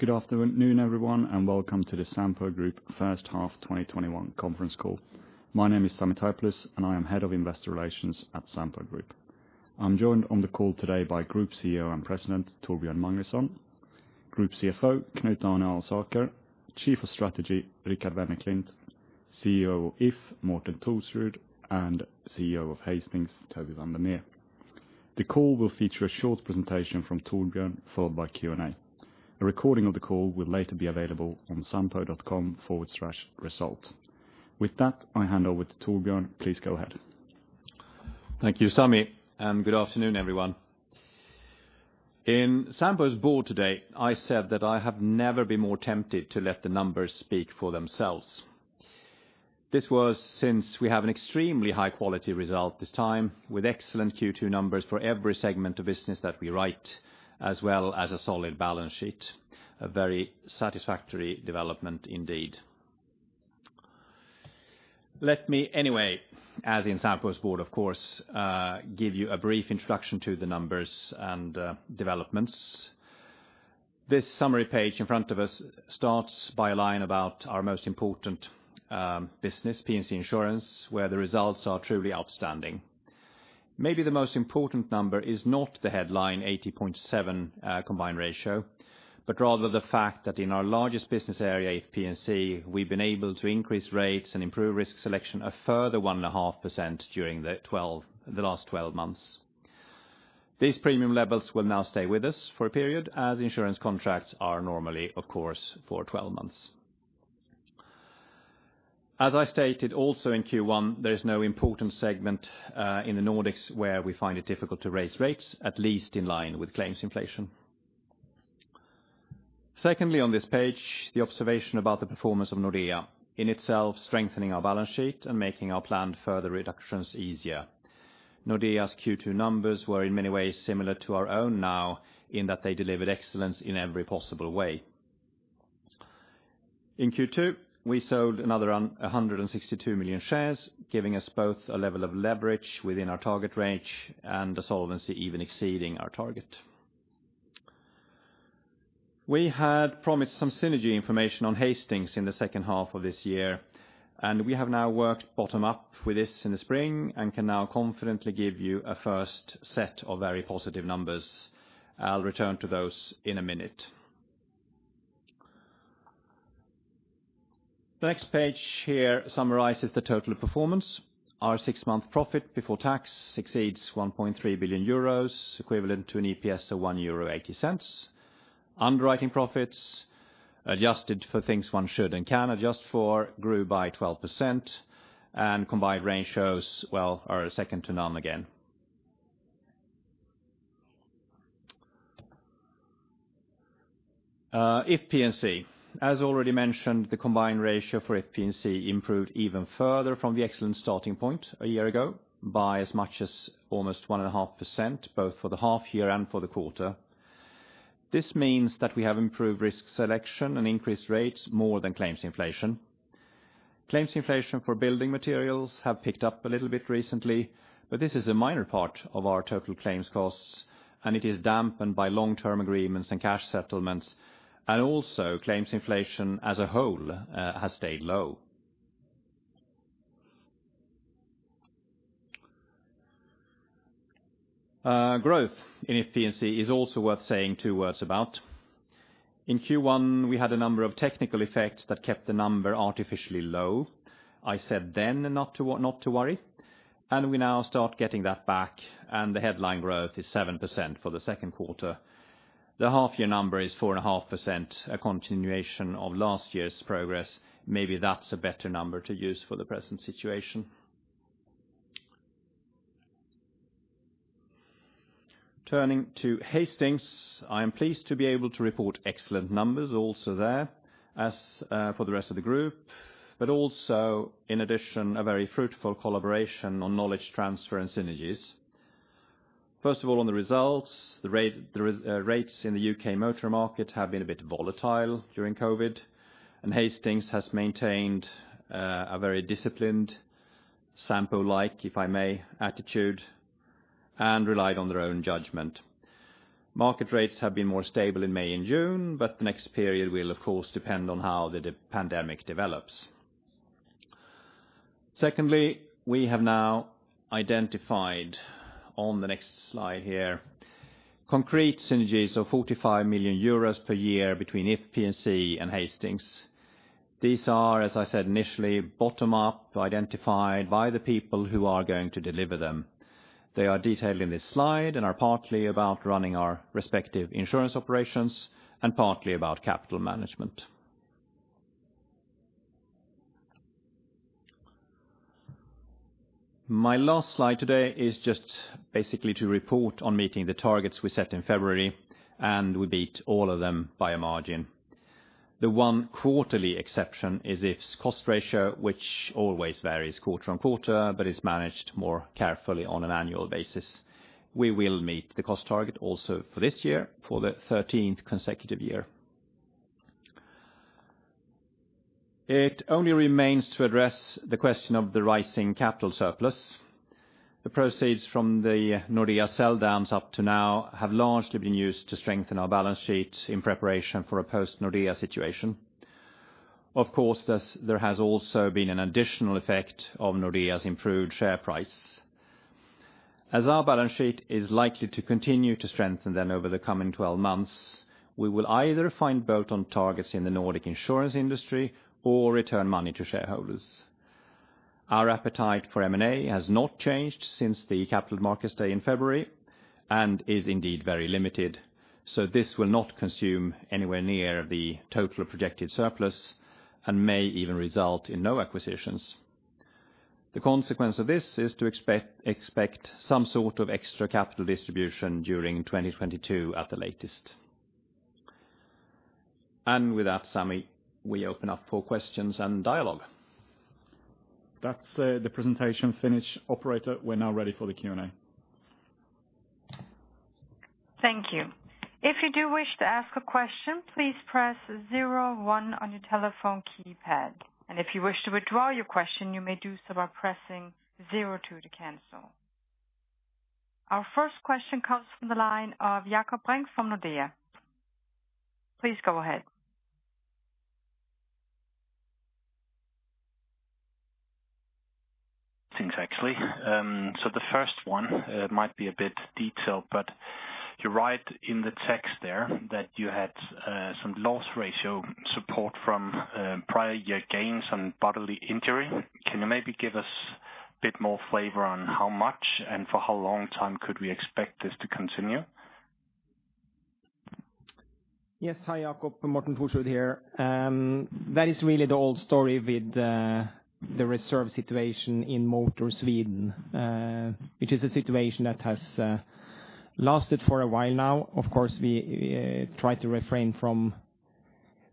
Good afternoon, everyone, welcome to the Sampo Group First Half 2021 Conference Call. My name is Sami Taipalus, and I am Head of Investor Relations at Sampo Group. I'm joined on the call today by Group CEO and President, Torbjörn Magnusson, Group CFO, Knut Arne Alsaker, Chief of Strategy, Ricard Wennerklint, CEO of If, Morten Thorsrud, and CEO of Hastings, Toby van der Meer. The call will feature a short presentation from Torbjörn, followed by Q&A. A recording of the call will later be available on sampo.com/results. With that, I hand over to Torbjörn. Please go ahead. Thank you, Sami, and good afternoon, everyone. In Sampo's board today, I said that I have never been more tempted to let the numbers speak for themselves. This was since we have an extremely high-quality result this time, with excellent Q2 numbers for every segment of business that we write, as well as a solid balance sheet. A very satisfactory development indeed. Let me anyway, as in Sampo's board, of course, give you a brief introduction to the numbers and developments. This summary page in front of us starts by a line about our most important business, P&C Insurance, where the results are truly outstanding. Maybe the most important number is not the headline 80.7 combined ratio, but rather the fact that in our largest business area, If P&C, we've been able to increase rates and improve risk selection a further 1.5% during the last 12 months. These premium levels will now stay with us for a period, as insurance contracts are normally, of course, for 12 months. As I stated also in Q1, there is no important segment in the Nordics where we find it difficult to raise rates, at least in line with claims inflation. Secondly, on this page, the observation about the performance of Nordea, in itself, strengthening our balance sheet and making our planned further reductions easier. Nordea's Q2 numbers were in many ways similar to our own now in that they delivered excellence in every possible way. In Q2, we sold another 162 million shares, giving us both a level of leverage within our target range and a solvency even exceeding our target. We had promised some synergy information on Hastings in the second half of this year, and we have now worked bottom up with this in the spring and can now confidently give you a first set of very positive numbers. I'll return to those in a minute. The next page here summarizes the total performance. Our six-month profit before tax exceeds 1.3 billion euros, equivalent to an EPS of 1.80 euro. Underwriting profits, adjusted for things one should and can adjust for, grew by 12%, and combined ratios, well, are second to none again. If P&C, as already mentioned, the combined ratio for If P&C improved even further from the excellent starting point a year ago by as much as almost 1.5% both for the half year and for the quarter. This means that we have improved risk selection and increased rates more than claims inflation. Claims inflation for building materials have picked up a little bit recently, but this is a minor part of our total claim's costs, and it is dampened by long-term agreements and cash settlements, and also claims inflation as a whole has stayed low. Growth in If P&C is also worth saying two words about. In Q1, we had a number of technical effects that kept the number artificially low. I said then not to worry, and we now start getting that back, and the headline growth is 7% for the second quarter. The half year number is 4.5%, a continuation of last year's progress. Maybe that's a better number to use for the present situation. Turning to Hastings, I am pleased to be able to report excellent numbers also there, as for the rest of the group, but also in addition, a very fruitful collaboration on knowledge transfer and synergies. First of all, on the results, the rates in the U.K. motor market have been a bit volatile during COVID, and Hastings has maintained a very disciplined Sampo-like, if I may, attitude and relied on their own judgment. Market rates have been more stable in May and June, but the next period will, of course, depend on how the pandemic develops. Secondly, we have now identified on the next slide here concrete synergies of 45 million euros per year between If P&C and Hastings. These are, as I said initially, bottom up, identified by the people who are going to deliver them. They are detailed in this slide and are partly about running our respective insurance operations and partly about capital management. My last slide today is just basically to report on meeting the targets we set in February, and we beat all of them by a margin. The one quarterly exception is If's cost ratio, which always varies quarter on quarter but is managed more carefully on an annual basis. We will meet the cost target also for this year for the 13th consecutive year. It only remains to address the question of the rising capital surplus. The proceeds from the Nordea sell downs up to now have largely been used to strengthen our balance sheet in preparation for a post Nordea situation. Of course, there has also been an additional effect of Nordea's improved share price. As our balance sheet is likely to continue to strengthen then over the coming 12 months, we will either find bolt-on targets in the Nordic insurance industry or return money to shareholders. Our appetite for M&A has not changed since the Capital Markets Day in February, and is indeed very limited. This will not consume anywhere near the total projected surplus and may even result in no acquisitions. The consequence of this is to expect some sort of extra capital distribution during 2022 at the latest. With that, Sami, we open up for questions and dialogue. That's the presentation finished. Operator, we're now ready for the Q&A. Thank you, if you do wish to ask a question, please press zero one on your telephone keypad. If you wish to withdraw your question, you may do so by pressing zero two to cancel. Our first question comes from the line of Jakob Brink from Nordea, please go ahead. Thanks, actually. The first one might be a bit detailed, but you write in the text there that you had some loss ratio support from prior year gains on bodily injury. Can you maybe give us a bit more flavor on how much and for how long time could we expect this to continue? Yes, hi, Jakob, Morten Thorsrud here. That is really the old story with the reserve situation in Motor Sweden, which is a situation that has lasted for a while now. Of course, we try to refrain from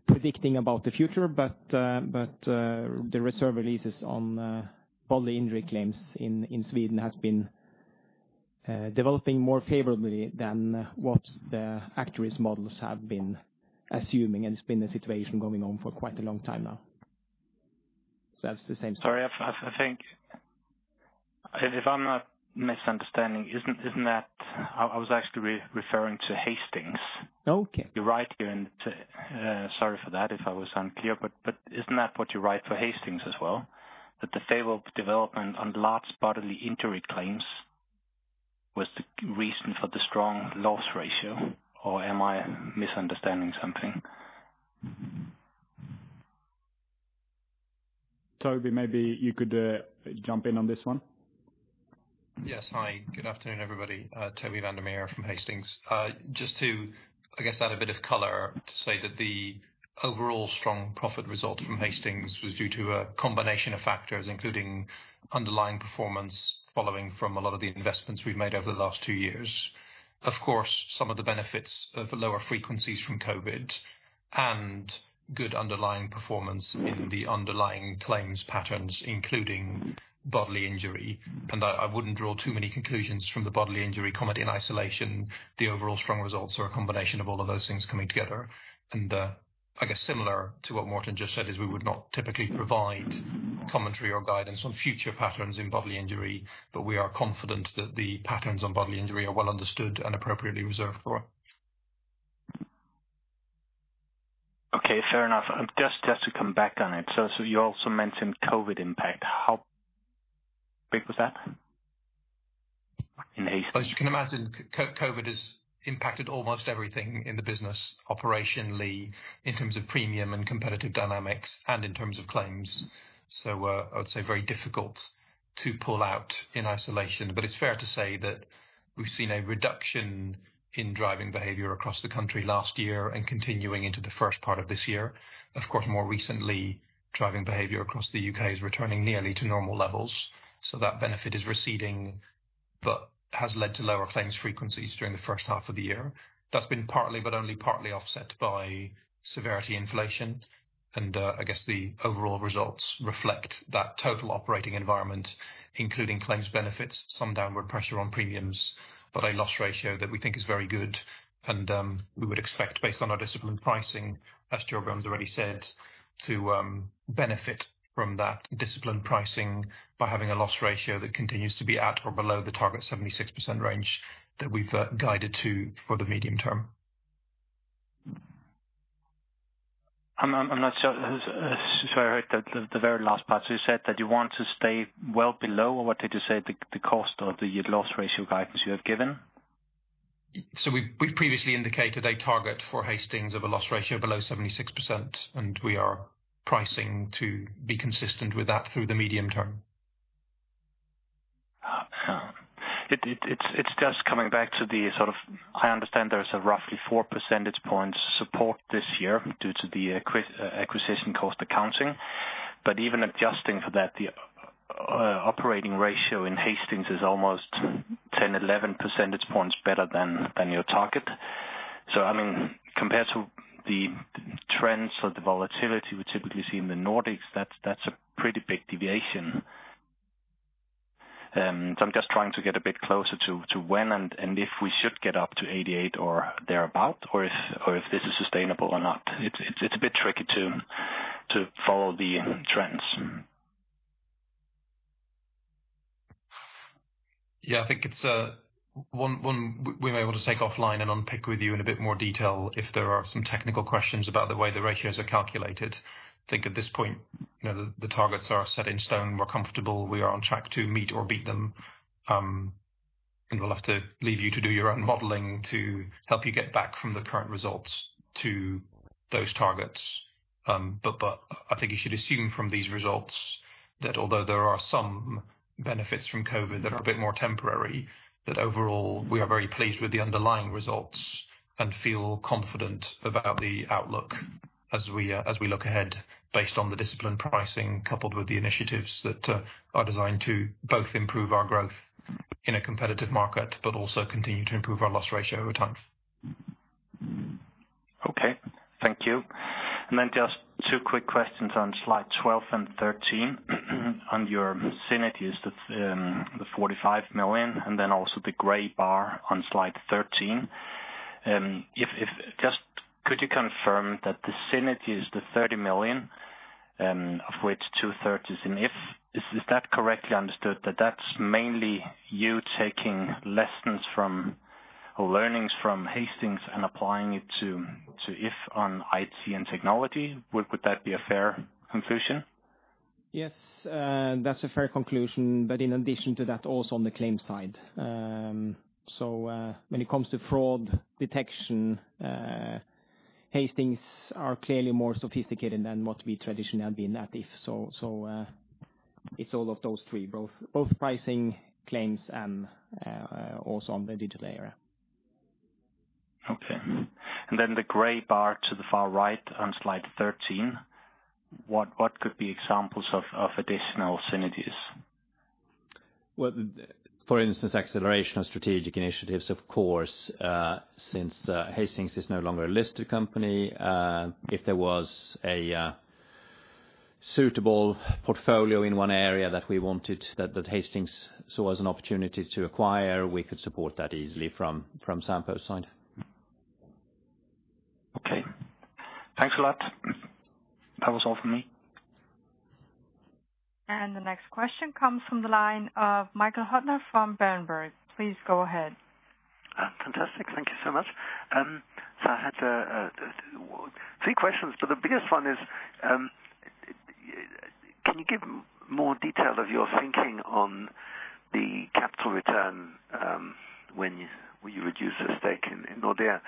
predicting about the future, but the reserve releases on bodily injury claims in Sweden has been developing more favorably than what the actuaries models have been assuming. It's been a situation going on for quite a long time now. That's the same story. Sorry, I think if I'm not misunderstanding, I was actually referring to Hastings. Okay. You write here, sorry for that if I was unclear, but isn't that what you write for Hastings as well? That the favorable development on large bodily injury claims was the reason for the strong loss ratio, or am I misunderstanding something? Toby, maybe you could jump in on this one. Yes, hi, good afternoon, everybody. Toby van der Meer from Hastings. Just to, I guess, add a bit of color to say that the overall strong profit result from Hastings was due to a combination of factors, including underlying performance following from a lot of the investments we've made over the last two years. Of course, some of the benefits of the lower frequencies from COVID and good underlying performance in the underlying claims patterns, including bodily injury. I wouldn't draw too many conclusions from the bodily injury comment in isolation. The overall strong results are a combination of all of those things coming together. I guess similar to what Morten just said, is we would not typically provide commentary or guidance on future patterns in bodily injury. We are confident that the patterns on bodily injury are well understood and appropriately reserved for. Okay, fair enough. Just to come back on it, so you also mentioned COVID impact. How big was that in Hastings? As you can imagine, COVID has impacted almost everything in the business operationally in terms of premium and competitive dynamics and in terms of claims. I would say very difficult to pull out in isolation. It's fair to say that we've seen a reduction in driving behavior across the country last year and continuing into the first part of this year. Of course, more recently, driving behavior across the U.K. is returning nearly to normal levels. That benefit is receding but has led to lower claims frequencies during the first half of the year. That's been partly, but only partly offset by severity inflation. I guess the overall results reflect that total operating environment, including claims benefits, some downward pressure on premiums, but a loss ratio that we think is very good and we would expect based on our disciplined pricing, as Torbjörn's already said, to benefit from that disciplined pricing by having a loss ratio that continues to be at or below the target 76% range that we've guided to for the medium term. I'm not sure I heard the very last part. You said that you want to stay well below, or what did you say, the cost of the loss ratio guidance you have given? We previously indicated a target for Hastings of a loss ratio below 76%, and we are pricing to be consistent with that through the medium term. It's just coming back to the sort of, I understand there's a roughly four percentage points support this year due to the acquisition cost accounting. Even adjusting for that, the operating ratio in Hastings is almost 10 percentage points, 11 percentage points better than your target. I mean, compared to the trends or the volatility we typically see in the Nordics, that's a pretty big deviation. I'm just trying to get a bit closer to when and if we should get up to 88% or thereabout, or if this is sustainable or not. It's a bit tricky to follow the trends. Yeah, I think it's one we're able to take offline and unpick with you in a bit more detail if there are some technical questions about the way the ratios are calculated. I think at this point, the targets are set in stone. We're comfortable we are on track to meet or beat them. We'll have to leave you to do your own modeling to help you get back from the current results to those targets. I think you should assume from these results that although there are some benefits from COVID that are a bit more temporary, that overall, we are very pleased with the underlying results and feel confident about the outlook as we look ahead based on the disciplined pricing, coupled with the initiatives that are designed to both improve our growth in a competitive market, but also continue to improve our loss ratio over time. Okay, thank you. Just two quick questions on slide 12 and 13 on your synergies, the 45 million, and also the gray bar on slide 13. Just could you confirm that the synergy is the 30 million, of which 2/3 is in If. Is that correctly understood, that that's mainly you taking lessons from or learnings from Hastings and applying it to If on IT and technology? Would that be a fair conclusion? Yes, that's a fair conclusion, in addition to that, also on the claims side. When it comes to fraud detection, Hastings are clearly more sophisticated than what we traditionally have been at If. It's all of those three, both pricing, claims, and also on the digital area. Okay, then the gray bar to the far right on slide 13, what could be examples of additional synergies? Well, for instance, acceleration of strategic initiatives, of course, since Hastings is no longer a listed company, if there was a suitable portfolio in one area that we wanted that Hastings saw as an opportunity to acquire, we could support that easily from Sampo's side. Okay, thanks a lot. That was all from me. The next question comes from the line of Michael Huttner from Berenberg. Please go ahead. Fantastic, thank you so much. I had three questions, but the biggest one is, can you give more details of your thinking on the capital return, when you reduce the stake in Nordea?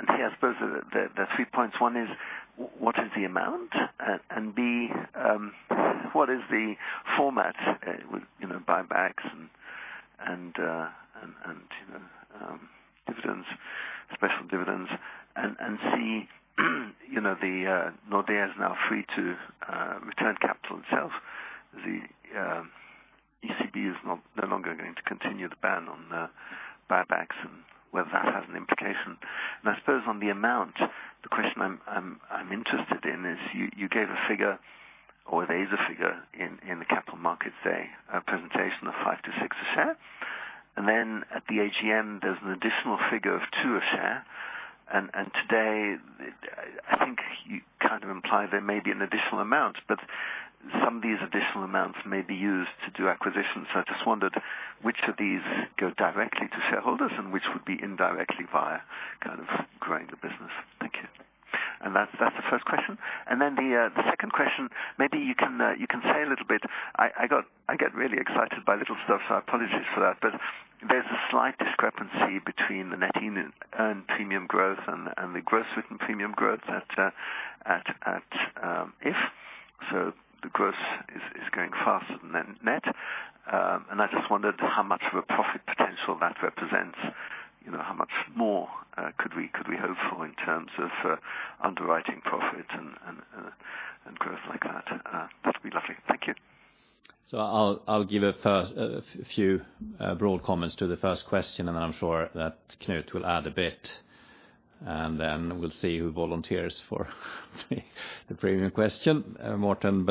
C, I suppose there are 3 points. One is what is the amount? B, what is the format with buybacks and dividends, special dividends? C, the Nordea is now free to return capital itself. The ECB is no longer going to continue the ban on buybacks and whether that has an implication? I suppose on the amount, the question I'm interested in is, you gave a figure or there is a figure in the Capital Markets Day presentation of 5-6 a share. Then at the AGM, there's an additional figure of 2 a share. Today, I think you kind of imply there may be an additional amount, but some of these additional amounts may be used to do acquisitions. I just wondered which of these go directly to shareholders and which would be indirectly via kind of growing the business, thank you. That's the first question, then the second question, maybe you can say a little bit. I get really excited by little stuff, so apologies for that, but there's a slight discrepancy between the net earned premium growth and the gross written premium growth at If. The gross is growing faster than net. I just wondered how much of a profit potential that represents, how much more could we hope for in terms of underwriting profit and growth like that? That'd be lovely, thank you. I'll give a few broad comments to the first question, and I'm sure that Knut will add a bit, and then we'll see who volunteers for the premium question, Morten.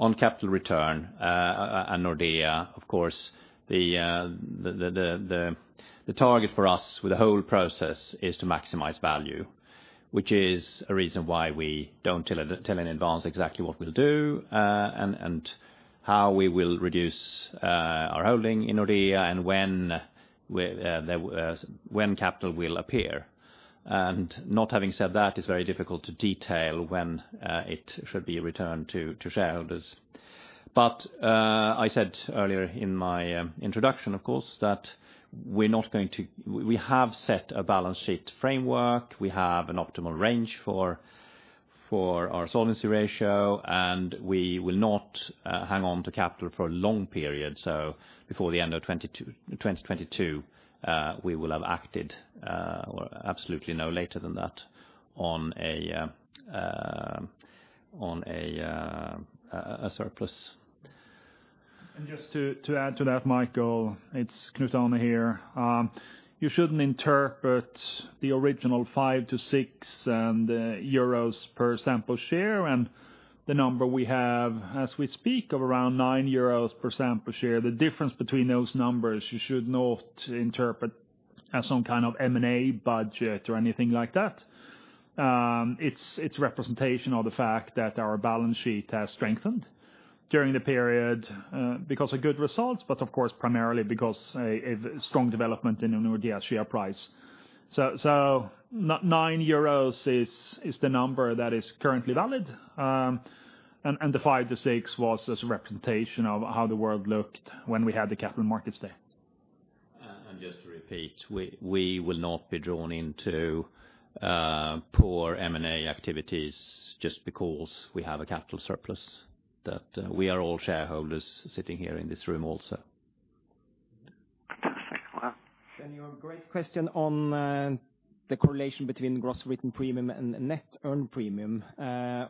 On capital return, and Nordea, of course, the target for us with the whole process is to maximize value, which is a reason why we don't tell in advance exactly what we'll do, and how we will reduce our holding in Nordea, and when capital will appear. Not having said that, it's very difficult to detail when it should be returned to shareholders. I said earlier in my introduction, of course, that we have set a balance sheet framework. We have an optimal range for our solvency ratio, and we will not hang on to capital for a long period. Before the end of 2022, we will have acted, or absolutely no later than that, on a surplus. Just to add to that, Michael, it is Knut-Arne here. You shouldn't interpret the original 5-6 euros per Sampo share and the number we have as we speak of around 9 euros per Sampo share. The difference between those numbers, you should not interpret As some kind of M&A budget or anything like that. It's a representation of the fact that our balance sheet has strengthened during the period, because of good results, but of course, primarily because a strong development in the Nordea share price. 9 euros is the number that is currently valid. The 5-6 was just a representation of how the world looked when we had the capital markets day. Just to repeat, we will not be drawn into poor M&A activities just because we have a capital surplus, that we are all shareholders sitting here in this room also. Your great question on the correlation between gross written premium and net earned premium.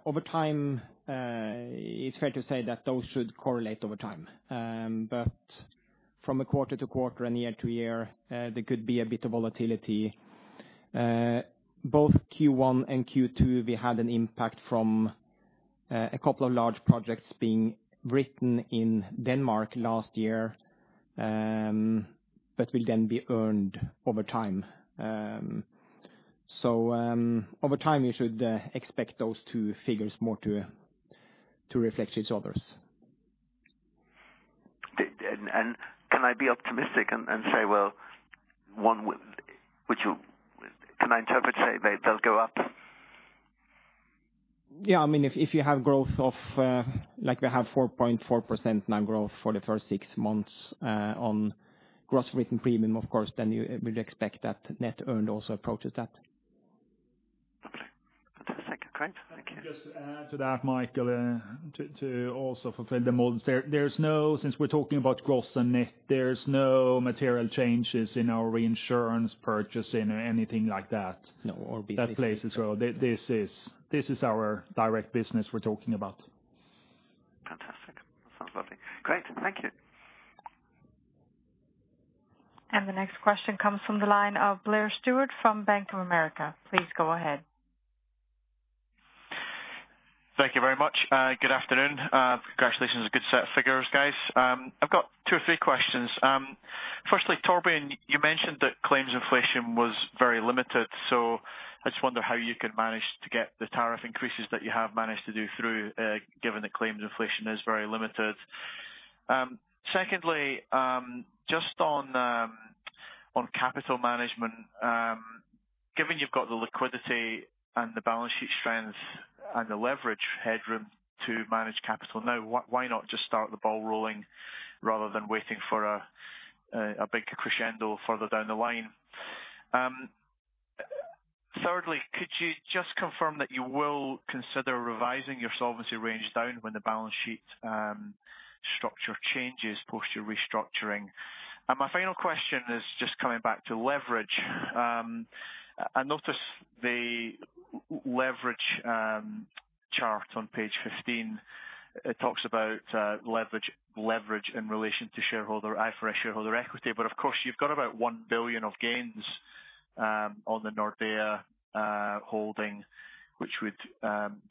Over time, it is fair to say that those should correlate over time. From a quarter-to-quarter and year-to-year, there could be a bit of volatility. Both Q1 and Q2, we had an impact from a couple of large projects being written in Denmark last year, but will then be earned over time. Over time, you should expect those two figures more to reflect each other's. Can I be optimistic and say, well, can I interpret, say, they'll go up? Yeah, if you have growth of, like we have 4.4% now growth for the first six months, on gross written premium, of course, then you will expect that net earned also approaches that. Okay, second. Great, thank you. Just to add to that, Michael, to also fulfill the models there, since we're talking about gross and net, there's no material changes in our reinsurance purchasing or anything like that, no. That plays as well, this is our direct business we're talking about. Fantastic, sounds lovely. Great, thank you. The next question comes from the line of Blair Stewart from Bank of America, please go ahead. Thank you very much. Good afternoon, congratulations on a good set of figures, guys. I've got two or three questions. Torbjörn, you mentioned that claims inflation was very limited. I just wonder how you could manage to get the tariff increases that you have managed to do through, given that claim inflation is very limited. Just on capital management, given you've got the liquidity and the balance sheet strength and the leverage headroom to manage capital now, why not just start the ball rolling rather than waiting for a big crescendo further down the line? Could you just confirm that you will consider revising your solvency range down when the balance sheet structure changes post your restructuring? My final question is just coming back to leverage. I notice the leverage chart on page 15. It talks about leverage in relation to IFRS shareholder equity. Of course, you've got about 1 billion of gains, on the Nordea holding, which would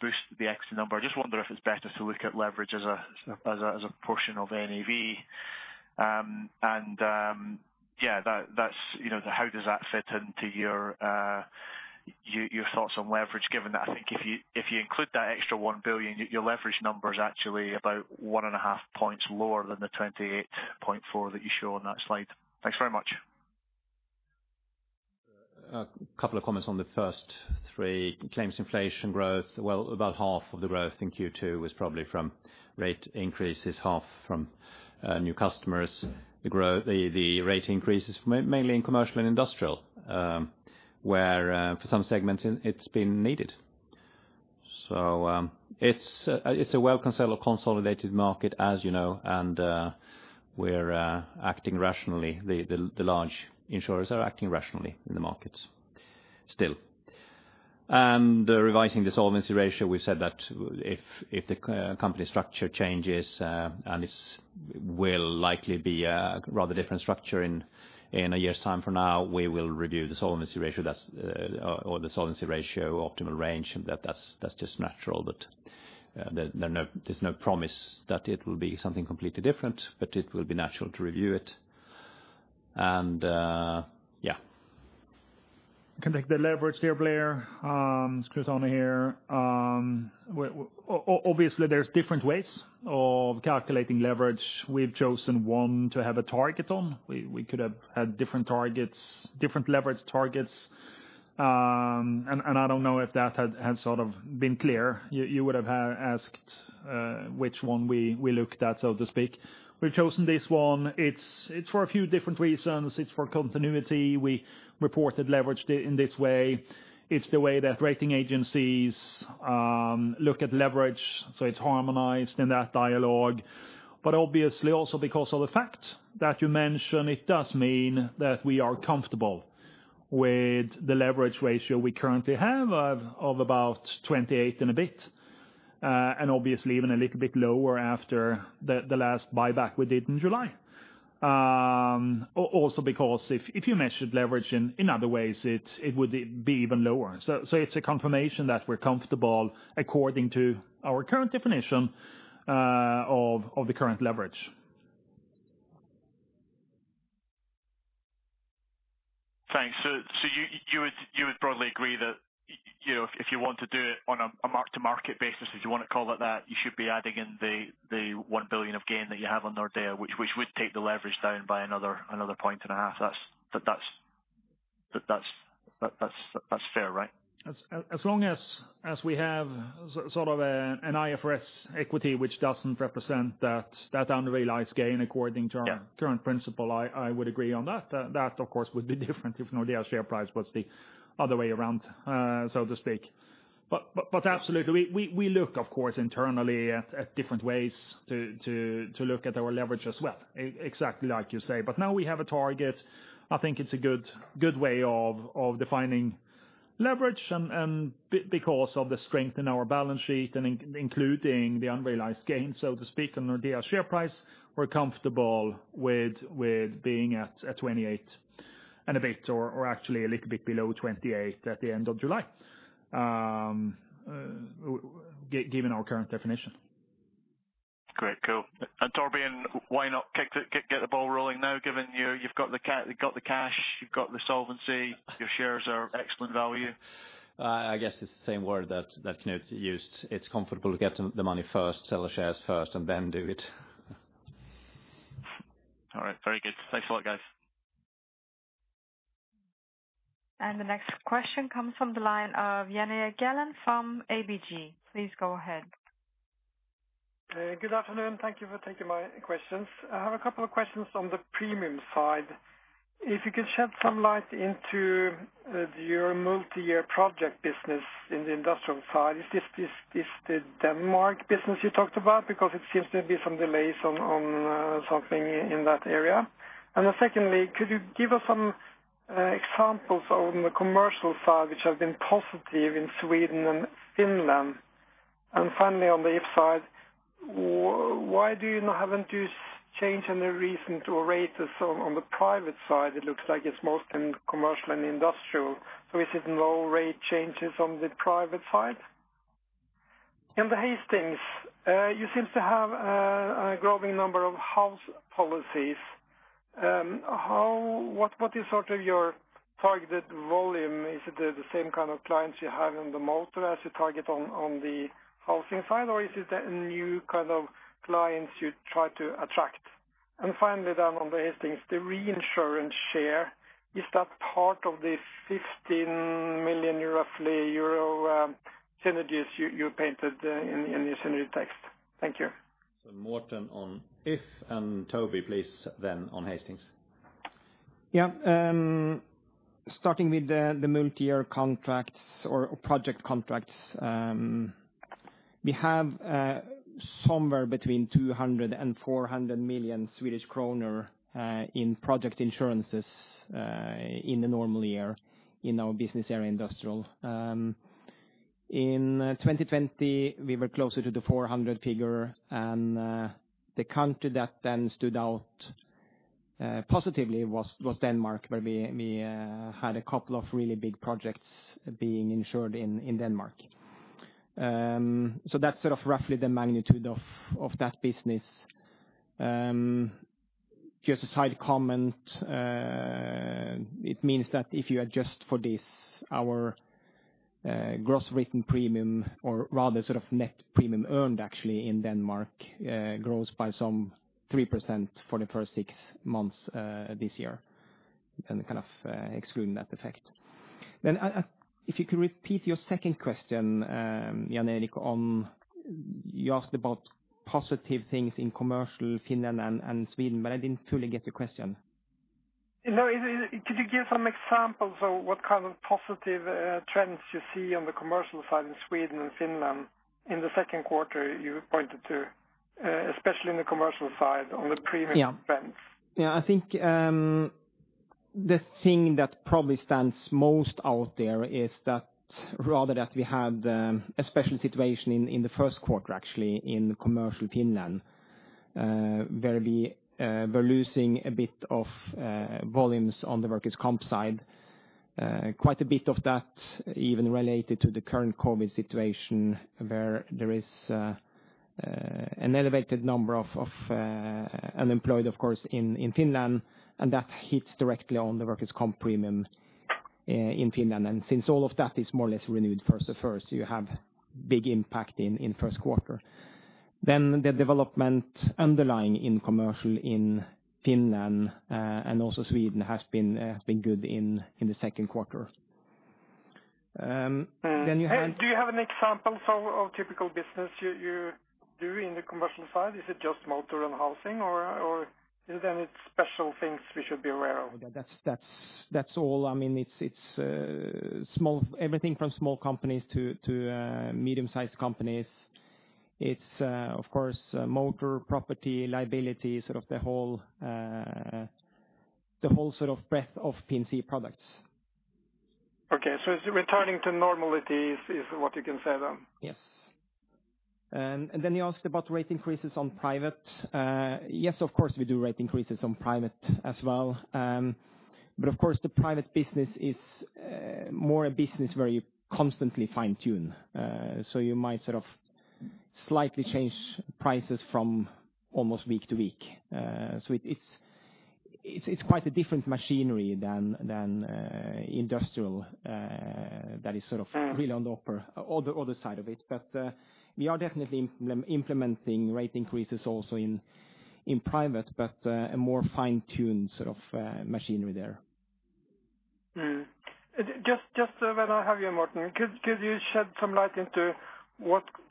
boost the equity number. I just wonder if it's better to look at leverage as a portion of NAV. Yeah, how does that fit into your thoughts on leverage, given that I think if you include that extra 1 billion, your leverage number is actually about 1.5 points lower than the 28.4 that you show on that slide. Thanks very much. A couple of comments on the first three claims inflation growth. Well, about half of the growth in Q2 was probably from rate increases, half from new customers. The rate increases mainly in commercial and industrial, were, for some segments, it's been needed. It's a well-consolidated market, as you know, and we're acting rationally. The large insurers are acting rationally in the markets still. Revising the solvency ratio, we've said that if the company structure changes, and this will likely be a rather different structure in 1 year's time from now, we will review the solvency ratio, or the solvency ratio optimal range. That's just natural, but there's no promise that it will be something completely different, but it will be natural to review it. Can take the leverage there, Blair. It's Knut Arne here. Obviously, there's different ways of calculating leverage. We've chosen one to have a target on. We could have had different leverage targets, and I don't know if that had sort of been clear. You would have asked which one we looked at, so to speak. We've chosen this one. It's for a few different reasons. It's for continuity. We reported leverage in this way. It's the way that rating agencies look at leverage, so it's harmonized in that dialogue. Obviously, also because of the fact that you mentioned, it does mean that we are comfortable with the leverage ratio we currently have of about 28 and a bit, and obviously even a little bit lower after the last buyback we did in July. Also, because if you measured leverage in other ways, it would be even lower. It's a confirmation that we're comfortable according to our current definition of the current leverage. You would broadly agree that if you want to do it on a mark-to-market basis, if you want to call it that, you should be adding in the 1 billion of gain that you have on Nordea, which would take the leverage down by another point and a half. That's fair, right? As long as we have an IFRS equity, which doesn't represent that unrealized gain- Yeah.... current principle, I would agree on that. That, of course, would be different if Nordea share price was the other way around, so to speak. Absolutely, we look, of course, internally at different ways to look at our leverage as well, exactly like you say. Now we have a target. I think it's a good way of defining leverage and because of the strength in our balance sheet and including the unrealized gain, so to speak, on Nordea share price, we're comfortable with being at 28 and a bit or actually a little bit below 28 at the end of July given our current definition. Great, cool. Torbjörn, why not get the ball rolling now, given you've got the cash, you've got the solvency, your shares are excellent value. I guess it's the same word that Knut used. It's comfortable to get the money first, sell the shares first, and then do it. All right, very good. Thanks a lot, guys. The next question comes from the line of Jan Gjerland from ABG. Please go ahead. Good afternoon, thank you for taking my questions. I have a couple of questions on the premium side. If you could shed some light into your multi-year project business in the industrial side. Is this the Denmark business you talked about? Because it seems to be some delays on something in that area. Secondly, could you give us some examples on the commercial side which have been positive in Sweden and Finland? Finally, on the If P&C side, why haven't you changed any reason to rate this on the private side? It looks like it's most in commercial and industrial. Is it no rate changes on the private side? In the Hastings, you seem to have a growing number of house policies. What is your targeted volume? Is it the same kind of clients you have in the motor as you target on the housing side, or is it a new kind of clients you try to attract? Finally, on Hastings, the reinsurance share, is that part of the 15 million euro roughly synergies you painted in your synergy text? Thank you. Morten on If and Toby, please, then on Hastings. Starting with the multi-year contracts or project contracts, we have somewhere between 200 million Swedish kronor and 400 million Swedish kronor in project insurances in a normal year in our business area Industrial. In 2020, we were closer to the 400 million figure. The country that then stood out positively was Denmark, where we had a couple of really big projects being insured in Denmark. That's roughly the magnitude of that business. Just a side comment, it means that if you adjust for this, our gross written premium, or rather net earned premium actually in Denmark, grows by some 3% for the first six months this year excluding that effect. If you could repeat your second question, Jan Erik, you asked about positive things in commercial Finland and Sweden, I didn't fully get your question. Could you give some examples of what kind of positive trends you see on the commercial side in Sweden and Finland in the second quarter you pointed to, especially in the commercial side on the premium trends? I think the thing that probably stands most out there is that rather that we had a special situation in the first quarter, actually, in commercial Finland, where we were losing a bit of volumes on the workers' comp side. Quite a bit of that even related to the current COVID situation, where there is an elevated number of unemployed, of course, in Finland, and that hits directly on the workers' comp premium in Finland. Since all of that is more or less renewed first to first, you have big impact in first quarter. The development underlying in commercial in Finland and also Sweden has been good in the second quarter. Do you have an example of typical business you do in the commercial side? Is it just motor and housing, or is there any special things we should be aware of? That's all, it's everything from small companies to medium-sized companies. It's, of course, motor, property, liability, the whole sort of breadth of P&C products. Okay, it's returning to normality is what you can say then? Yes, then you asked about rate increases on private. Yes, of course, we do rate increases on private as well. Of course, the private business is more a business where you constantly fine-tune. You might sort of slightly change prices from almost week to week. It's quite a different machinery than industrial, that is sort of really on the other side of it. We are definitely implementing rate increases also in private, but a more fine-tuned sort of machinery there. Just when I have you, Morten, could you shed some light into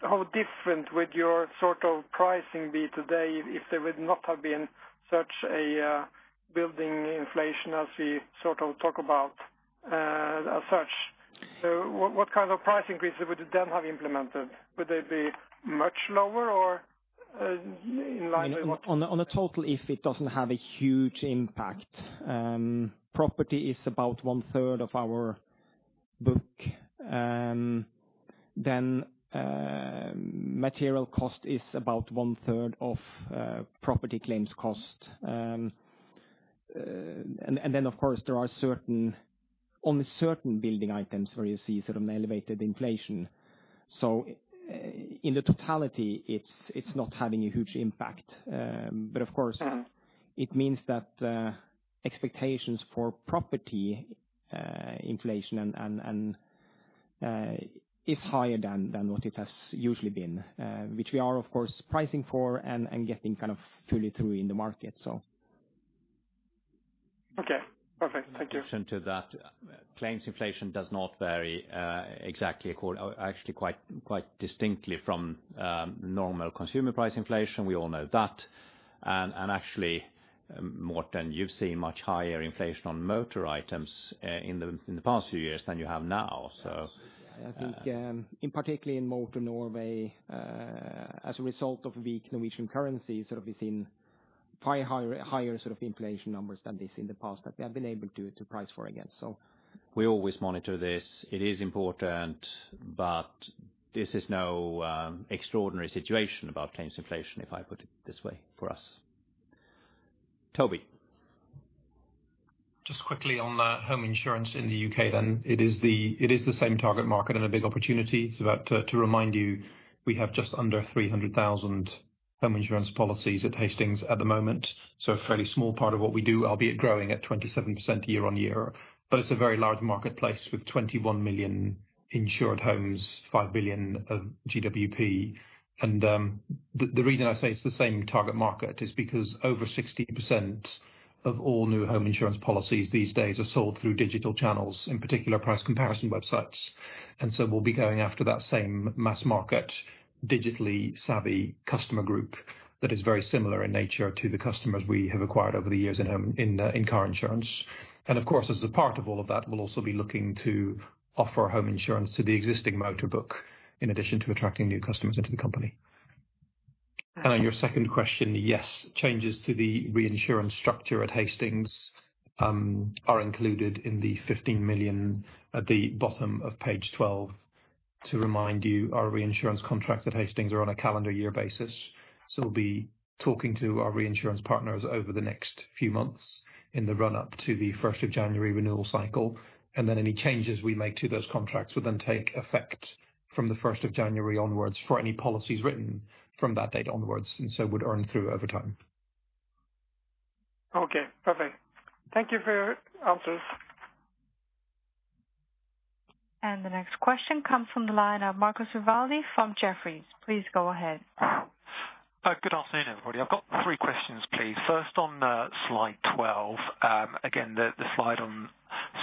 how different would your sort of pricing be today if there would not have been such a building inflation as we sort of talk about as such? What kind of price increases would you then have implemented? Would they be much lower or in line with? On a total, if it doesn't have a huge impact. Property is about 1/3 of our book. Material cost is about 1/3 of property claims cost. Of course, there are only certain building items where you see sort of an elevated inflation. In the totality, it's not having a huge impact. Of course, it means that expectations for property inflation is higher than what it has usually been, which we are, of course, pricing for and getting kind of fully through in the market. Okay, perfect, thank you. In addition to that, claims inflation does not vary exactly, actually quite distinctly from normal consumer price inflation, we all know that. Actually, Morten, you've seen much higher inflation on motor items in the past few years than you have now, so. Absolutely, I think in particular in motor Norway, as a result of weak Norwegian currency, sort of we've seen higher sort of inflation numbers than this in the past that we have been able to price for again. We always monitor this. It is important, but this is no extraordinary situation about claims inflation, if I put it this way for us. Toby. Quickly on the home insurance in the U.K., it is the same target market and a big opportunity. To remind you, we have just under 300,000 home insurance policies at Hastings at the moment. A fairly small part of what we do, albeit growing at 27% year-on-year. It's a very large marketplace with 21 million insured homes, 5 billion of GWP. The reason I say it's the same target market is because over 60% of all new home insurance policies these days are sold through digital channels, in particular price comparison websites. We'll be going after that same mass market, digitally savvy customer group that is very similar in nature to the customers we have acquired over the years in car insurance. Of course, as a part of all of that, we'll also be looking to offer home insurance to the existing motor book, in addition to attracting new customers into the company. On your second question, yes, changes to the reinsurance structure at Hastings are included in the 15 million at the bottom of page 12. To remind you, our reinsurance contracts at Hastings are on a calendar year basis, so we'll be talking to our reinsurance partners over the next few months in the run-up to the first of January renewal cycle, and then any changes we make to those contracts would then take effect from the 1st of January onwards for any policies written from that date onwards, and so would earn through over time. Okay, perfect. Thank you for your answers. The next question comes from the line of Marco Vivaldi from Jefferies. Please go ahead. Good afternoon, everybody. I've got three questions, please. First on slide 12, again, the slide on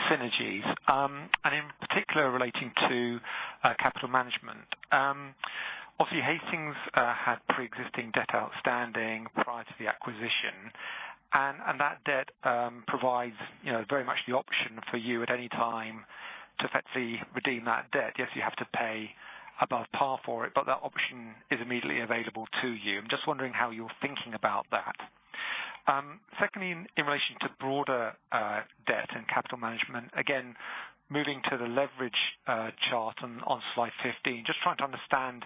synergies, and in particular relating to capital management. Obviously Hastings had preexisting debt outstanding prior to the acquisition, and that debt provides very much the option for you at any time to effectively redeem that debt. You have to pay above par for it, but that option is immediately available to you. I'm just wondering how you're thinking about that. Secondly, in relation to broader debt and capital management, again, moving to the leverage chart on slide 15, just trying to understand,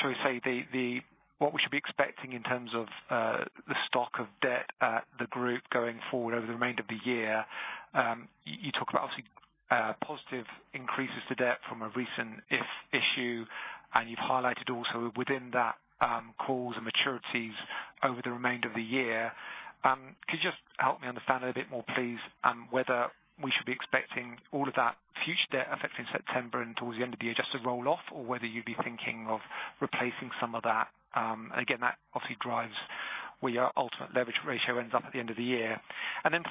shall we say, what we should be expecting in terms of the stock of debt at the group going forward over the remainder of the year. You talk about obviously positive increases to debt from a recent issue, and you've highlighted also within that calls and maturities over the remainder of the year. Could you just help me understand a bit more, please, whether we should be expecting all of that future debt affecting September and towards the end of the year just to roll off, or whether you'd be thinking of replacing some of that? Again, that obviously drives where our ultimate leverage ratio ends up at the end of the year.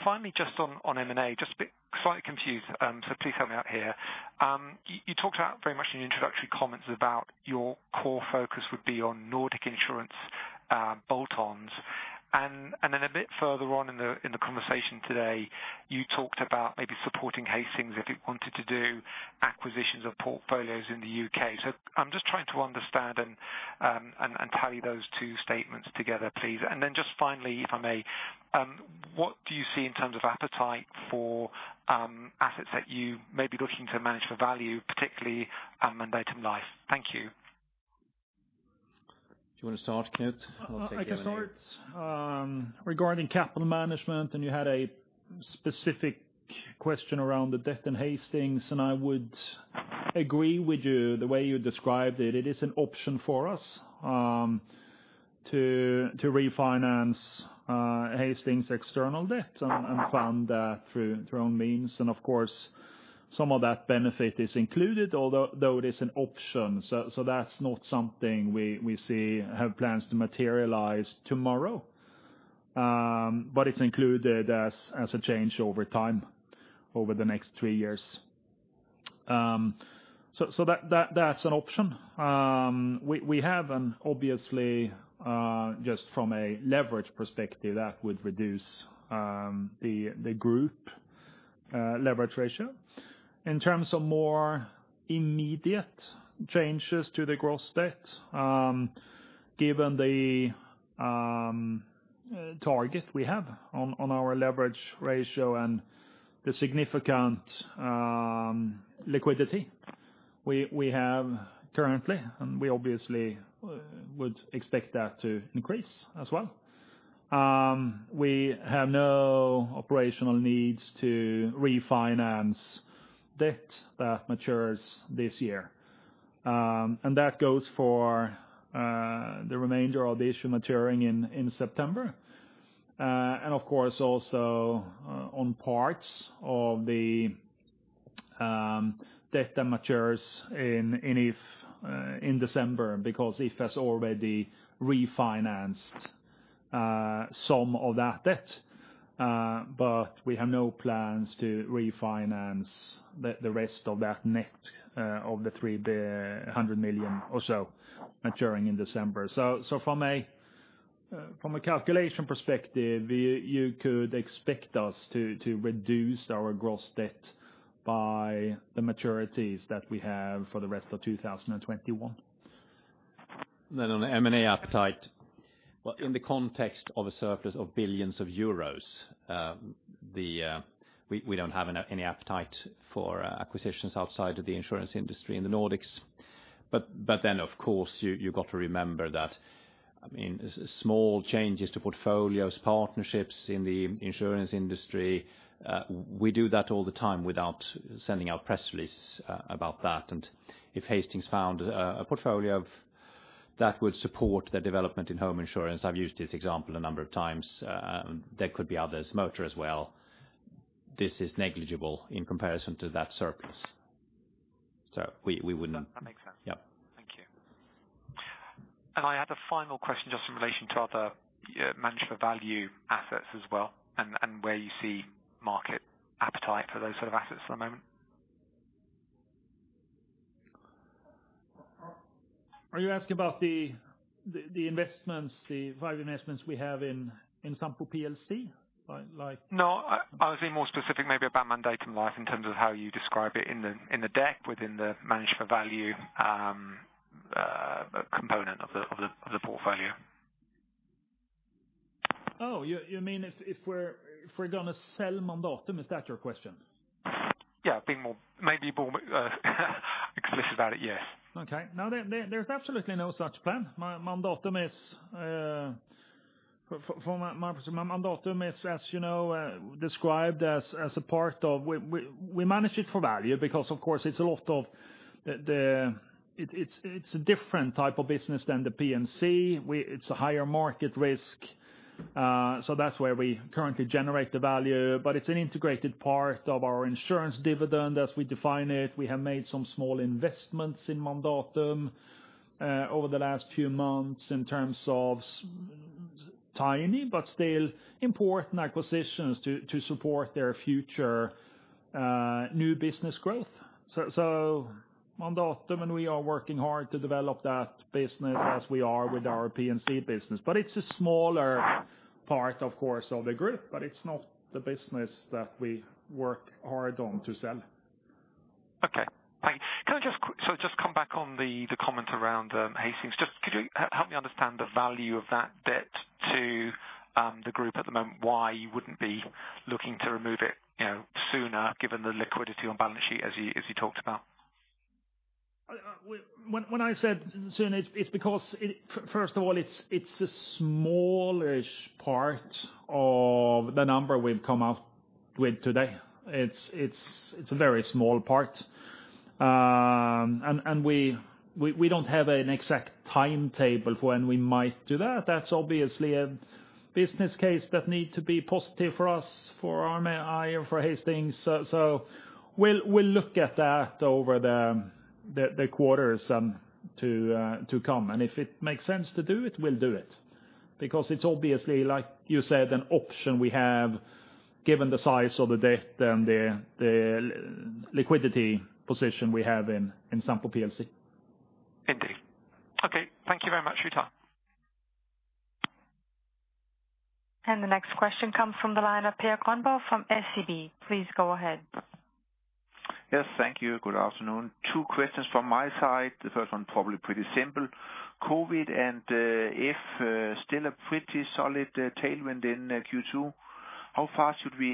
Finally, just on M&A, just a bit slightly confused, so please help me out here. You talked about very much in your introductory comments about your core focus would be on Nordic insurance bolt-ons. A bit further on in the conversation today, you talked about maybe supporting Hastings if it wanted to do acquisitions of portfolios in the U.K. I'm just trying to understand and tally those two statements together, please. Just finally, if I may, what do you see in terms of appetite for assets that you may be looking to manage for value, particularly Mandatum Life? Thank you. Do you want to start, Knut? I'll take the lead. I can start, regarding capital management, and you had a specific question around the debt in Hastings, and I would agree with you the way you described it. It is an option for us to refinance Hastings external debt and fund that through own means. Of course, some of that benefit is included, although it is an option, that's not something we have plans to materialize tomorrow. It's included as a change over time, over the next three years. That's an option. We have an obviously, just from a leverage perspective, that would reduce the group leverage ratio. In terms of more immediate changes to the gross debt, given the target we have on our leverage ratio and the significant liquidity we have currently, and we obviously would expect that to increase as well. We have no operational needs to refinance debt that matures this year. That goes for the remainder of the issue maturing in September. Of course, also on parts of the debt that matures in December, because If has already refinanced some of that debt, but we have no plans to refinance the rest of that net of the 300 million or so maturing in December. From a calculation perspective, you could expect us to reduce our gross debt by the maturities that we have for the rest of 2021. On the M&A appetite, in the context of a surplus of billions of euros, we don't have any appetite for acquisitions outside of the insurance industry in the Nordics. Of course, you've got to remember that small changes to portfolios, partnerships in the insurance industry, we do that all the time without sending out press releases about that. If Hastings found a portfolio that would support the development in home insurance, I've used this example a number of times, there could be others, motor as well. This is negligible in comparison to that surplus. That makes sense. Yep. Thank you, I had a final question just in relation to other manage for value assets as well, and where you see market appetite for those sort of assets at the moment. Are you asking about the investments, the value investments we have in Sampo PLC? No, I was being more specific maybe about Mandatum Life in terms of how you describe it in the deck within the manage for value component of the portfolio. Oh, you mean if we're going to sell Mandatum, is that your question? Yeah, being maybe more explicit about it, yeah. Okay, no, there's absolutely no such plan. Mandatum is, as you know, described as we manage it for value because of course it's a different type of business than the P&C. It's a higher market risk. That's where we currently generate the value, but it's an integrated part of our insurance dividend as we define it. We have made some small investments in Mandatum over the last few months in terms of tiny, but still important acquisitions to support their future new business growth. Mandatum and we are working hard to develop that business as we are with our P&C business. It's a smaller part, of course, of the group, but it's not the business that we work hard on to sell. Okay, thank you. Can I just come back on the comment around Hastings. Just could you help me understand the value of that debt to the group at the moment, why you wouldn't be looking to remove it sooner given the liquidity on balance sheet as you talked about? When I said sooner, it's because, first of all, it's a smallish part of the number we've come out with today. It's a very small part. We don't have an exact timetable for when we might do that. That's obviously a business case that need to be positive for us, for Arne, for Hastings. We'll look at that over the quarters to come. If it makes sense to do it, we'll do it, because it's obviously, like you said, an option we have given the size of the debt and the liquidity position we have in Sampo plc. Indeed, okay. Thank you very much for your time. The next question comes from the line of Per Grønborg from SEB, please go ahead. Yes, thank you, good afternoon. Two questions from my side. The first one probably pretty simple. COVID and If still a pretty solid tailwind in Q2. How fast should we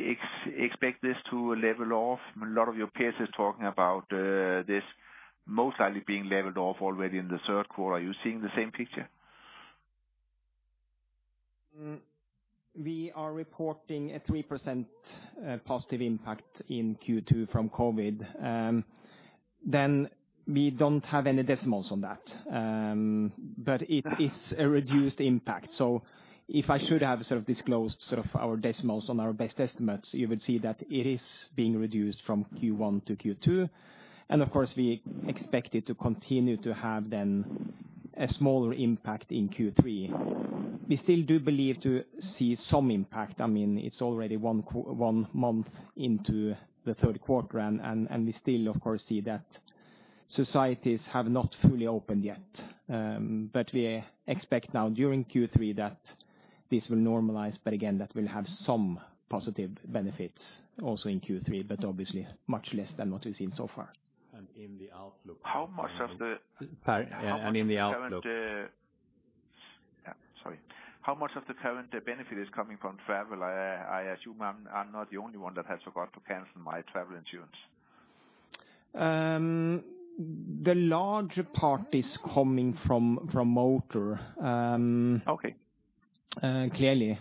expect this to level off? A lot of your peers are talking about this most likely being leveled off already in the third quarter. Are you seeing the same picture? We are reporting a 3% positive impact in Q2 from COVID. We don't have any decimals on that, but it is a reduced impact. If I should have disclosed our decimals on our best estimates, you would see that it is being reduced from Q1 to Q2, and of course, we expect it to continue to have then a smaller impact in Q3. We still do believe to see some impact. It's already one month into the third quarter, and we still, of course, see that societies have not fully opened yet. We expect now during Q3 that this will normalize, but again, that will have some positive benefits also in Q3, but obviously much less than what we've seen so far. In the outlook. How much of the- Per, in the outlook. Yeah, sorry. How much of the current benefit is coming from travel? I assume I'm not the only one that has forgot to cancel my travel insurance. The larger part is coming from motor. Okay. Clearly,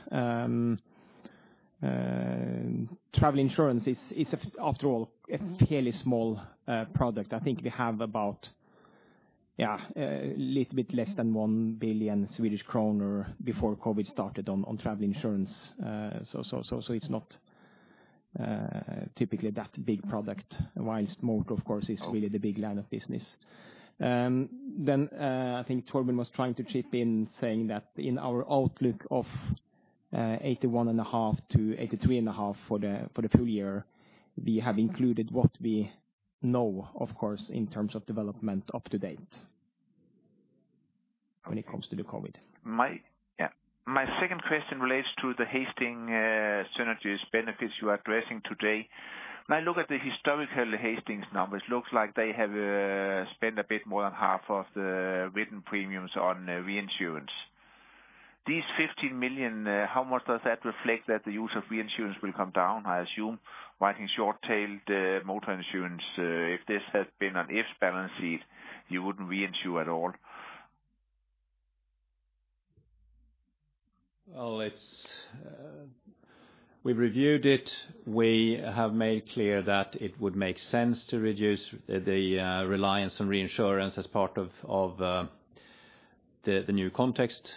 travel insurance is, after all, a fairly small product. I think we have about a little bit less than 1 billion Swedish kronor before COVID started on travel insurance. It's not typically that big product, whilst motor, of course, is really the big line of business. I think Torbjörn was trying to chip in saying that in our outlook of 81.5%-83.5% for the full year, we have included what we know, of course, in terms of development up to date when it comes to the COVID. Yeah, my second question relates to the Hastings synergies benefits you are addressing today. When I look at the historical Hastings numbers, looks like they have spent a bit more than half of the written premiums on reinsurance. These 15 million, how much does that reflect that the use of reinsurance will come down? I assume writing short-tailed motor insurance, if this had been an if balance sheet, you wouldn't reinsure at all. We've reviewed it, we have made clear that it would make sense to reduce the reliance on reinsurance as part of the new context.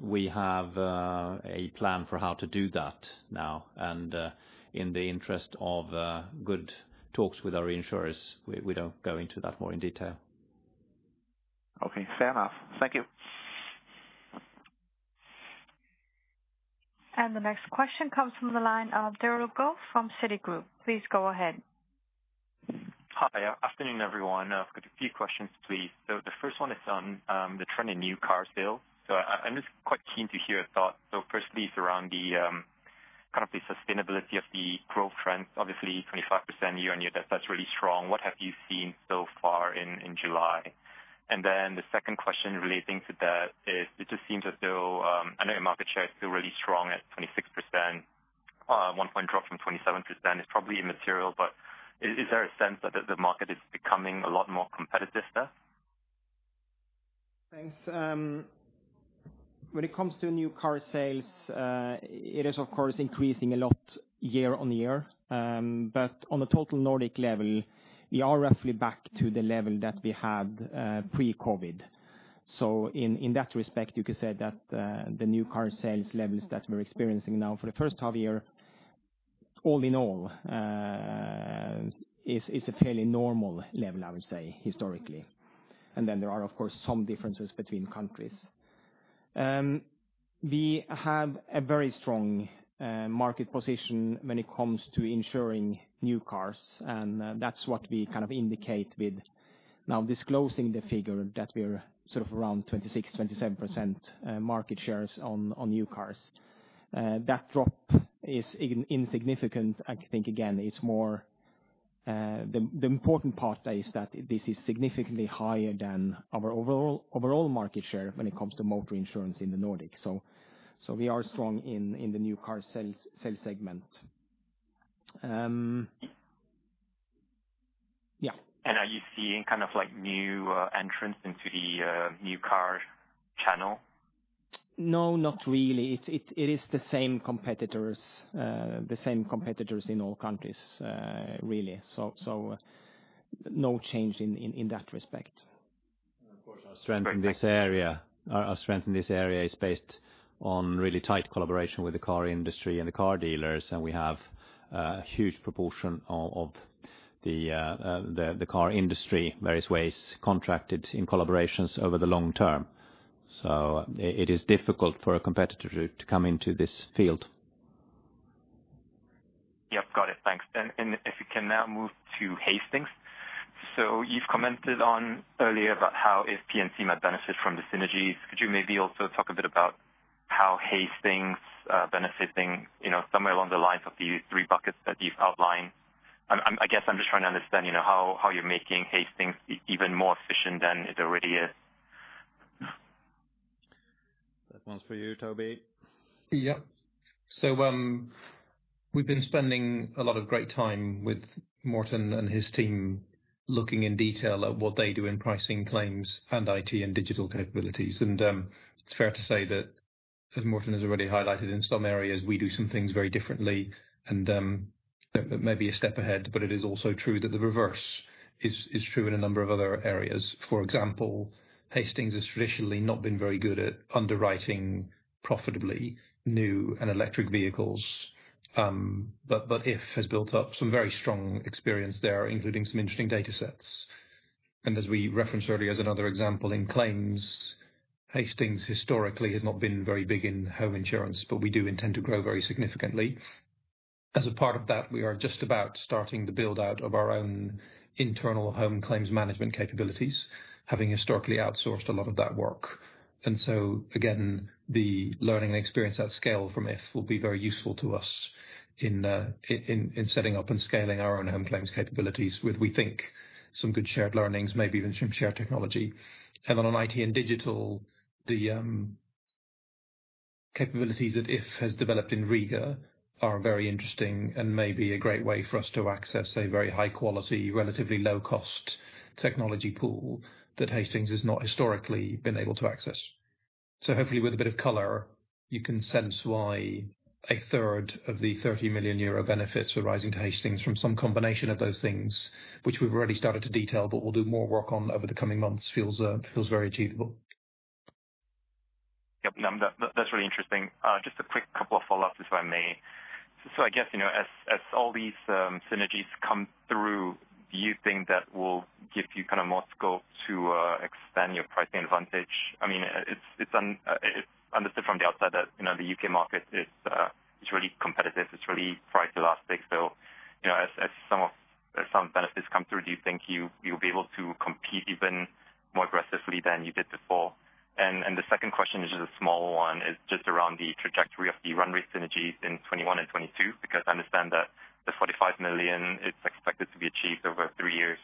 We have a plan for how to do that now. In the interest of good talks with our insurers, we don't go into that more in detail. Okay, fair enough, thank you. The next question comes from the line of Darryl Goh from Citigroup, please go ahead. Hi, afternoon, everyone. I've got a few questions, please. The first one is on the trend in new car sales. I'm just quite keen to hear your thoughts. Firstly, it's around the kind of the sustainability of the growth trend, obviously 25% year-on-year, that's really strong. What have you seen so far in July? The second question relating to that is, it just seems as though, I know your market share is still really strong at 26%, 1 point drop from 27% is probably immaterial, but is there a sense that the market is becoming a lot more competitive there? Thanks, when it comes to new car sales, it is of course increasing a lot year-over-year. On a total Nordic level, we are roughly back to the level that we had pre-COVID. In that respect, you could say that the new car sales levels that we're experiencing now for the first half year, all in all, is a fairly normal level, I would say, historically. There are, of course, some differences between countries. We have a very strong market position when it comes to insuring new cars, and that's what we kind of indicate with now disclosing the figure that we're sort of around 26%-27% market shares on new cars. That drop is insignificant. I think, again, the important part there is that this is significantly higher than our overall market share when it comes to motor insurance in the Nordics. We are strong in the new car sales segment, yeah. Are you seeing kind of new entrants into the new car channel? No, not really. It is the same competitors in all countries, really. No change in that respect. Of course, our strength in this area is based on really tight collaboration with the car industry and the car dealers, and we have a huge proportion of the car industry, various ways contracted in collaborations over the long term. It is difficult for a competitor to come into this field. Yep, got it, thanks. If we can now move to Hastings. You've commented on earlier about how If P&C might benefit from the synergies. Could you maybe also talk a bit about how Hastings benefiting, somewhere along the lines of the three buckets that you've outlined? I guess I'm just trying to understand how you're making Hastings even more efficient than it already is That one's for you, Toby. Yeah, we've been spending a lot of great time with Morten and his team, looking in detail at what they do in pricing claims and IT and digital capabilities. It's fair to say that, as Morten has already highlighted, in some areas, we do some things very differently and may be a step ahead, but it is also true that the reverse is true in a number of other areas. For example, Hastings has traditionally not been very good at underwriting profitably new and electric vehicles. If has built up some very strong experience there, including some interesting data sets. As we referenced earlier, as another example, in claims, Hastings historically has not been very big in home insurance, but we do intend to grow very significantly. As a part of that, we are just about starting the build-out of our own internal home claims management capabilities, having historically outsourced a lot of that work. Again, the learning and experience at scale from If will be very useful to us in setting up and scaling our own home claims capabilities with, we think, some good shared learnings, maybe even some shared technology. On an IT and digital, the capabilities that If has developed in Riga are very interesting and may be a great way for us to access a very high quality, relatively low cost technology pool that Hastings has not historically been able to access. Hopefully with a bit of color, you can sense why a third of the 30 million euro benefits arising to Hastings from some combination of those things, which we've already started to detail but we'll do more work on over the coming months, feels very achievable. Yep, no, that's really interesting. Just a quick couple of follow-ups, if I may. I guess, as all these synergies come through, do you think that will give you more scope to expand your pricing advantage? It's understood from the outside that the U.K. market is really competitive. It's really price elastic. As some benefits come through, do you think you'll be able to compete even more aggressively than you did before? The second question, which is a smaller one, is just around the trajectory of the run rate synergies in 2021 and 2022 because I understand that the 45 million is expected to be achieved over three years.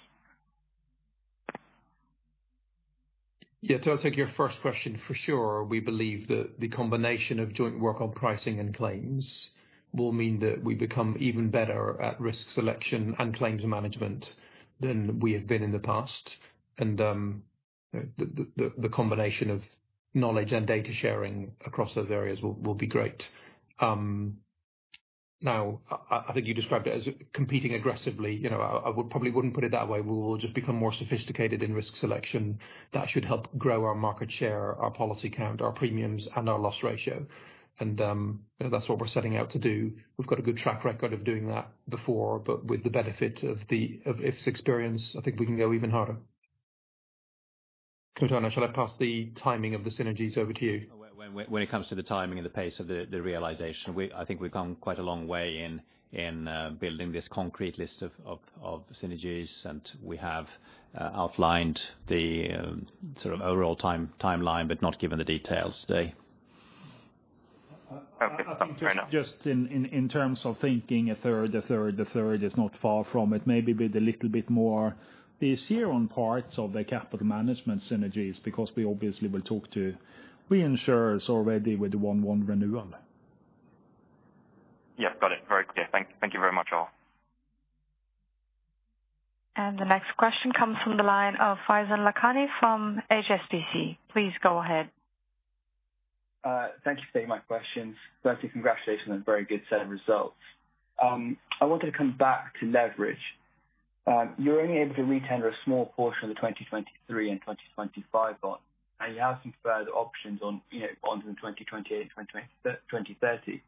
Yeah, I'll take your first question. For sure, we believe that the combination of joint work on pricing and claims will mean that we become even better at risk selection and claims management than we have been in the past. The combination of knowledge and data sharing across those areas will be great. Now, I think you described it as competing aggressively. I probably wouldn't put it that way. We will just become more sophisticated in risk selection. That should help grow our market share, our policy count, our premiums, and our loss ratio. That's what we're setting out to do. We've got a good track record of doing that before, with the benefit of If's experience, I think we can go even harder. Morten, shall I pass the timing of the synergies over to you? When it comes to the timing and the pace of the realization, I think we've come quite a long way in building this concrete list of synergies and we have outlined the sort of overall timeline, but not given the details today. Okay. Fair enough. Just in terms of thinking a third, a third, a third is not far from it. Maybe be a little bit more this year on parts of the capital management synergies, because we obviously will talk to reinsurers already with the 1/1 renewal. Yes, got it, very clear, thank you very much all. The next question comes from the line of Faizan Lakhani from HSBC. Please go ahead. Thank you for taking my questions. Firstly, congratulations on a very good set of results. I wanted to come back to leverage. You're only able to retain a small portion of the 2023 and 2025 bond, and you have some further options on bonds in 2028, 2030.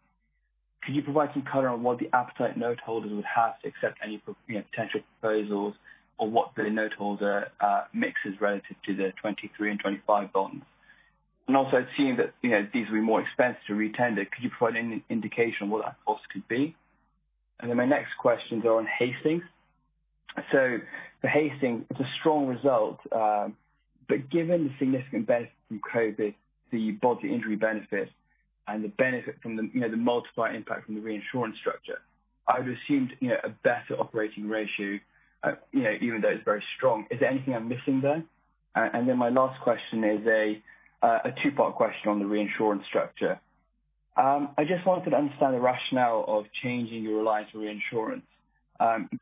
Could you provide some color on what the appetite note holders would have to accept any potential proposals or what the note holder mix is relative to the 2023 and 2025 bonds? Also it seems that these will be more expensive to retain. Could you provide any indication what that cost could be? My next questions are on Hastings. For Hastings, it's a strong result. Given the significant benefit from COVID to your bodily injury benefits and the benefit from the multiplier impact from the reinsurance structure, I'd assumed a better operating ratio, even though it's very strong. Is there anything I'm missing there? My last question is a two-part question on the reinsurance structure. I just wanted to understand the rationale of changing your reliance on reinsurance,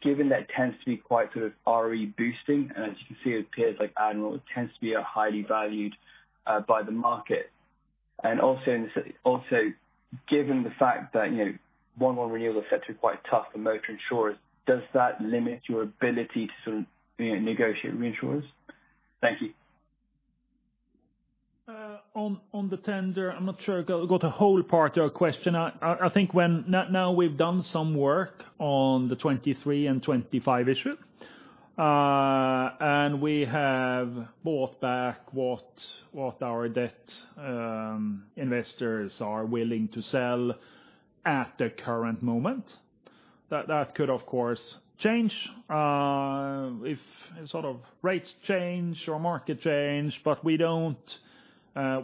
given that it tends to be quite ROE boosting and as you can see with peers like Admiral, it tends to be highly valued by the market. Also given the fact that 1/1 renewals are set to be quite tough for most insurers, does that limit your ability to negotiate with reinsurers? Thank you. On the tender, I'm not sure I got the whole part of your question. I think now we've done some work on the 2023 and 2025 issue. We have bought back what our debt investors are willing to sell at the current moment. That could, of course, change if rates change or market change, but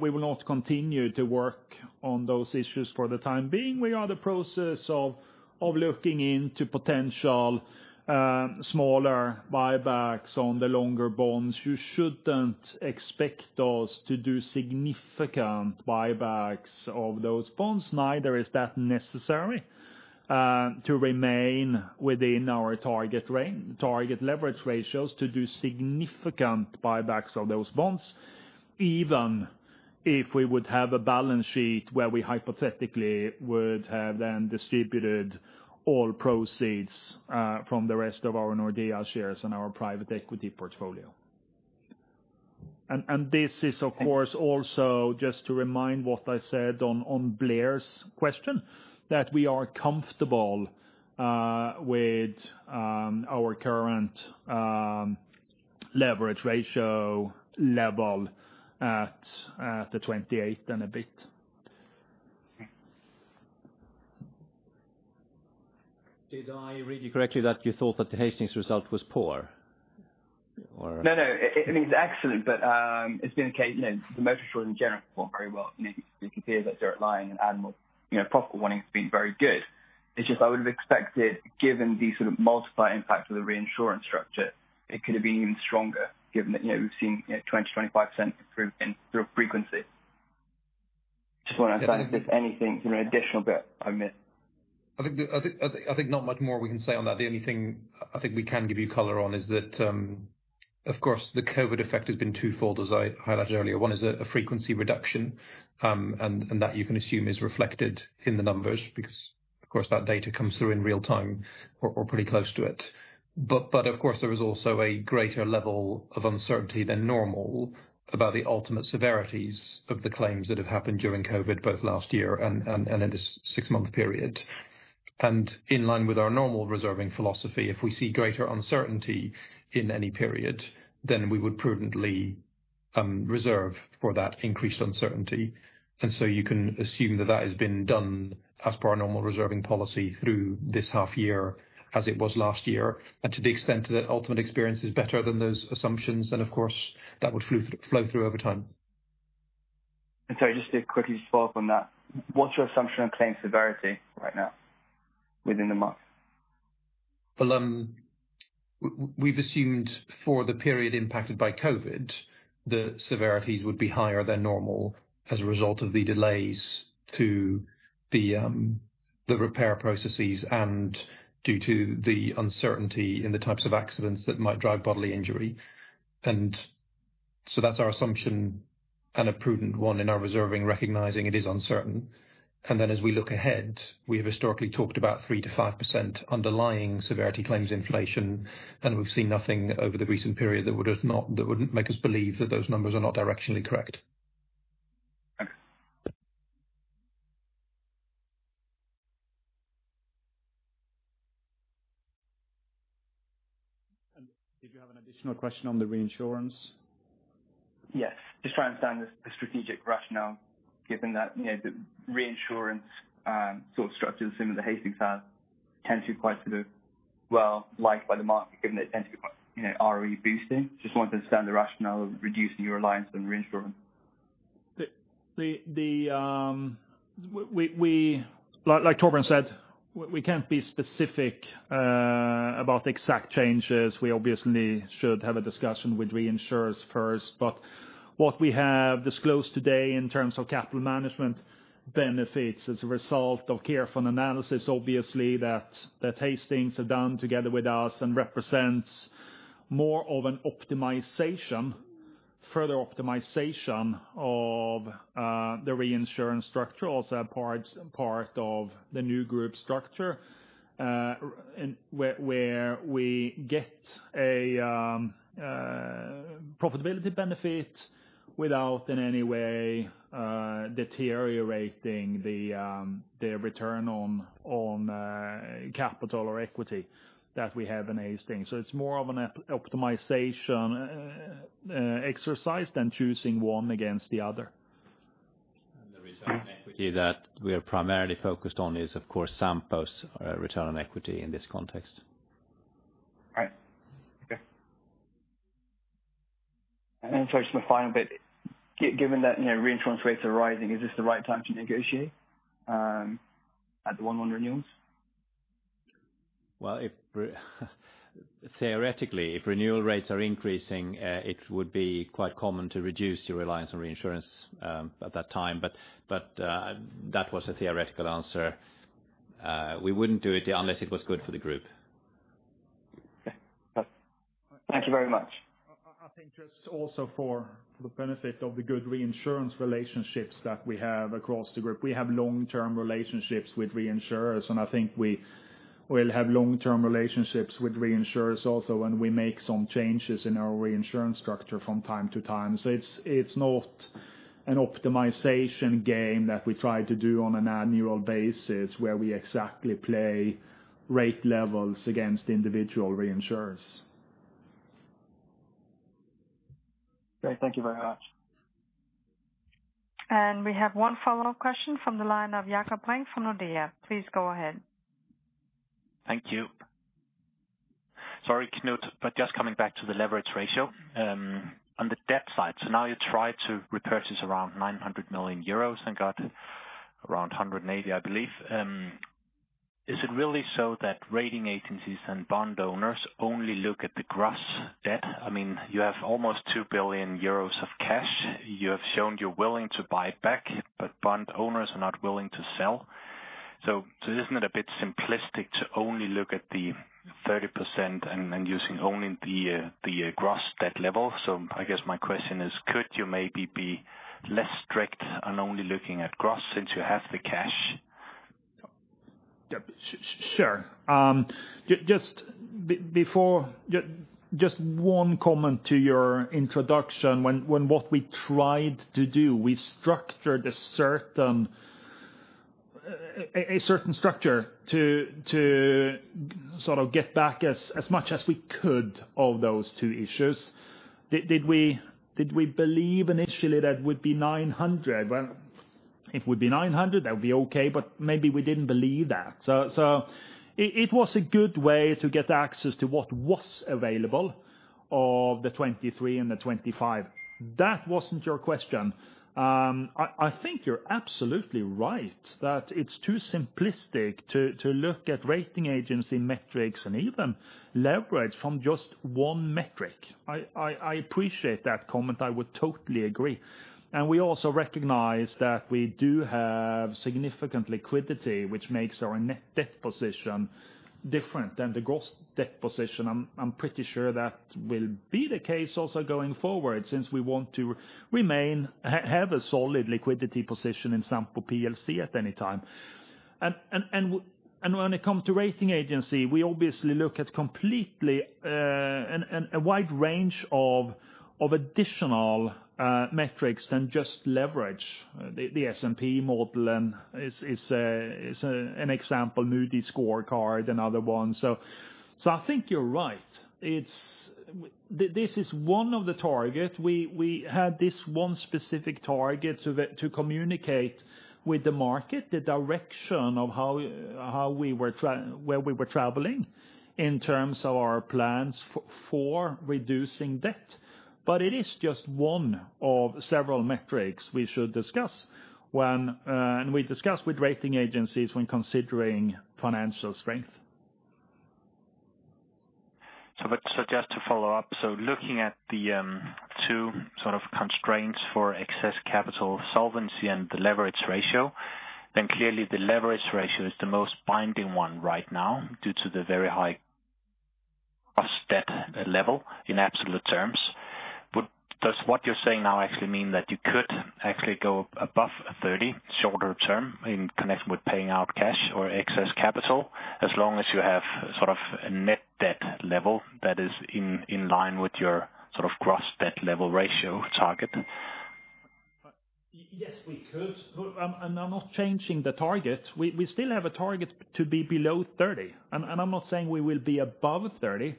we will not continue to work on those issues for the time being. We are in the process of looking into potential smaller buybacks on the longer bonds. You shouldn't expect us to do significant buybacks of those bonds. Neither is that necessary to remain within our target leverage ratios to do significant buybacks of those bonds, even if we would have a balance sheet where we hypothetically would have then distributed all proceeds from the rest of our Nordea shares and our private equity portfolio. This is, of course, also just to remind what I said on Blair's question, that we are comfortable with our current leverage ratio level at the 28 and a bit. Did I read you correctly that you thought that the Hastings result was poor? No, no, it means excellent. It's been a case, the motor insurance in general performed very well. It appears that Direct Line and Admiral profit warning has been very good. It's just I would have expected, given the sort of multiplier impact of the reinsurance structure, it could have been even stronger given that we've seen 20%, 25% improvement through frequency. Just want to ask if there's anything, an additional bit I missed. I think not much more we can say on that. The only thing I think we can give you color on is that, of course, the COVID effect has been twofold, as I highlighted earlier. One is a frequency reduction, and that you can assume is reflected in the numbers because, of course, that data comes through in real time or pretty close to it. Of course, there is also a greater level of uncertainty than normal about the ultimate severities of the claims that have happened during COVID, both last year and in this 6-month period. In line with our normal reserving philosophy, if we see greater uncertainty in any period, then we would prudently reserve for that increased uncertainty. You can assume that that has been done as per our normal reserving policy through this half year as it was last year. To the extent that ultimate experience is better than those assumptions, then of course, that would flow through over time. Sorry, just a quick follow-up on that. What's your assumption on claim severity right now within the month? We've assumed for the period impacted by COVID, the severities would be higher than normal as a result of the delays to the repair processes and due to the uncertainty in the types of accidents that might drive bodily injury. That's our assumption and a prudent one in our reserving, recognizing it is uncertain. Then as we look ahead, we have historically talked about 3%-5% underlying severity claims inflation, and we've seen nothing over the recent period that would make us believe that those numbers are not directionally correct. Okay. Did you have an additional question on the reinsurance? Yes, just trying to understand the strategic rationale given that the reinsurance sort of structures similar to Hastings have tends to be quite sort of well-liked by the market, given they tend to be quite ROE-boosting. Just wanted to understand the rationale of reducing your reliance on reinsurance. Like Torbjörn said, we can't be specific about exact changes. We obviously should have a discussion with reinsurers first. What we have disclosed today in terms of capital management benefits as a result of careful analysis, obviously, that Hastings have done together with us and represents more of an optimization, further optimization of the reinsurance structure, also part of the new group structure, where we get a profitability benefit without in any way deteriorating the return on capital or equity that we have in Hastings. It's more of an optimization exercise than choosing one against the other. The return on equity that we are primarily focused on is, of course, Sampo's return on equity in this context. Right, okay. Sorry, just my final bit, given that reinsurance rates are rising, is this the right time to negotiate at the 1/1 renewals? Well, theoretically, if renewal rates are increasing, it would be quite common to reduce your reliance on reinsurance at that time, but that was a theoretical answer. We wouldn't do it unless it was good for the group. Okay, thank you very much. I think just also for the benefit of the good reinsurance relationships that we have across the group. We have long-term relationships with reinsurers, and I think we will have long-term relationships with reinsurers also when we make some changes in our reinsurance structure from time to time. It's not an optimization game that we try to do on an annual basis where we exactly play rate levels against individual reinsurers. Great, thank you very much. We have one follow-up question from the line of Jakob Brink from Nordea. Please go ahead. Thank you, sorry, Knut, just coming back to the leverage ratio on the debt side. Now you try to repurchase around 900 million euros and got around 180 million, I believe. Is it really so that rating agencies and bond owners only look at the gross debt? You have almost 2 billion euros of cash. You have shown you're willing to buy back, bond owners are not willing to sell. Isn't it a bit simplistic to only look at the 30% and using only the gross debt level? I guess my question is, could you maybe be less strict on only looking at gross since you have the cash? Sure, just one comment to your introduction, what we tried to do, we structured a certain structure to sort of get back as much as we could of those two issues. Did we believe initially that it would be 900 million? If it would be 900 million, that would be okay, maybe we didn't believe that. It was a good way to get access to what was available of the 2023 and the 2025. That wasn't your question. I think you're absolutely right that it's too simplistic to look at rating agency metrics and even leverage from just one metric. I appreciate that comment, I would totally agree. We also recognize that we do have significant liquidity, which makes our net debt position different than the gross debt position. I'm pretty sure that will be the case also going forward, since we want to have a solid liquidity position in Sampo plc at any time. When it comes to rating agency, we obviously look at completely a wide range of additional metrics than just leverage. The S&P model is an example, Moody's scorecard, another one. I think you're right. This is one of the target. We had this one specific target to communicate with the market, the direction of where we were traveling in terms of our plans for reducing debt. It is just one of several metrics we should discuss, and we discuss with rating agencies when considering financial strength. Just to follow up, looking at the two sort of constraints for excess capital solvency and the leverage ratio, clearly the leverage ratio is the most binding one right now due to the very high of debt level in absolute terms. Does what you're saying now actually mean that you could actually go above 30% shorter term in connection with paying out cash or excess capital, as long as you have sort of a net debt level that is in line with your sort of gross debt level ratio target? Yes, we could. I'm not changing the target. We still have a target to be below 30%, and I'm not saying we will be above 30%,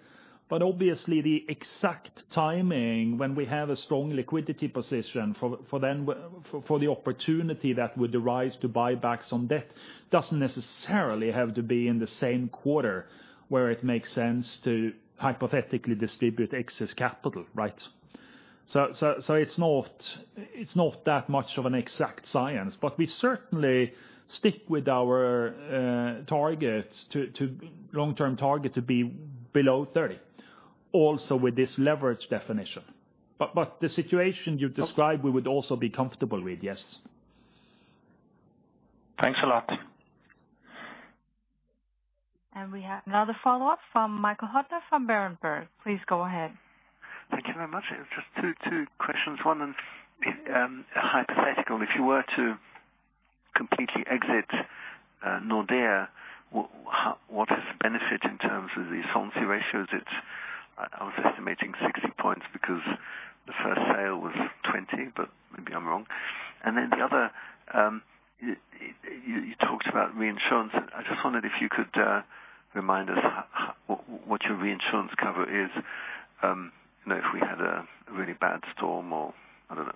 but obviously the exact timing when we have a strong liquidity position for the opportunity that would arise to buy back some debt doesn't necessarily have to be in the same quarter where it makes sense to hypothetically distribute excess capital. Right? It's not that much of an exact science, but we certainly stick with our long-term target to be below 30%, also with this leverage definition. The situation you describe, we would also be comfortable with, yes. Thanks a lot. We have another follow-up from Michael Huttner from Berenberg, please go ahead. Thank you very much. Just two questions, one, hypothetical, if you were to completely exit Nordea, what is the benefit in terms of the solvency ratios? I was estimating 60 points because the first sale was 20, maybe I'm wrong. The other, you talked about reinsurance, and I just wondered if you could remind us what your reinsurance cover is if we had a really bad storm or, I don't know,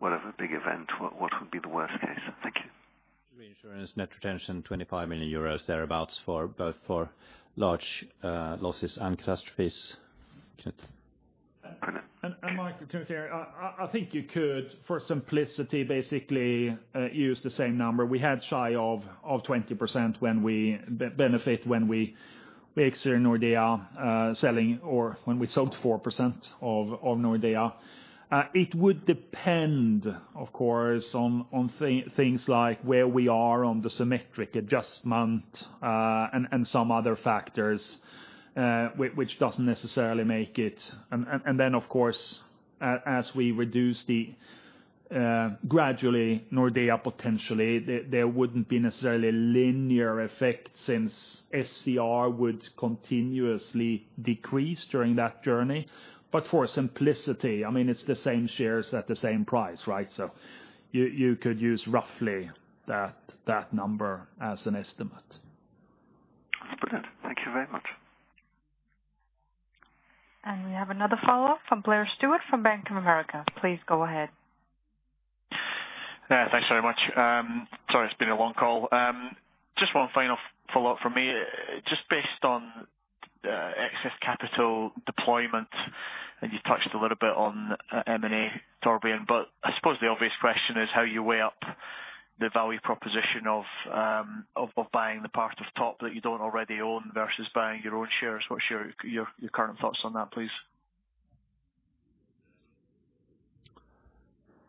whatever big event, what would be the worst case? Thank you. Reinsurance net retention, 25 million euros, thereabouts, both for large losses and catastrophes. Knut. Michael, Knut here, I think you could, for simplicity, basically use the same number. We had shy of 20% benefit when we exited Nordea, selling, or when we sold 4% of Nordea. It would depend, of course, on things like where we are on the symmetric adjustment, and some other factors, which doesn't necessarily make it. Then, of course, as we reduce gradually Nordea potentially, there wouldn't be necessarily a linear effect since SCR would continuously decrease during that journey. For simplicity, it's the same shares at the same price, right? You could use roughly that number as an estimate. Brilliant, thank you very much. We have another follow-up from Blair Stewart from Bank of America, please go ahead. Yeah, thanks very much. Sorry, it's been a long call, just one final follow-up from me. Just based on excess capital deployment, and you touched a little bit on M&A, Torbjörn, but I suppose the obvious question is how you weigh up the value proposition of buying the part of Topdanmark that you don't already own versus buying your own shares. What's your current thoughts on that, please?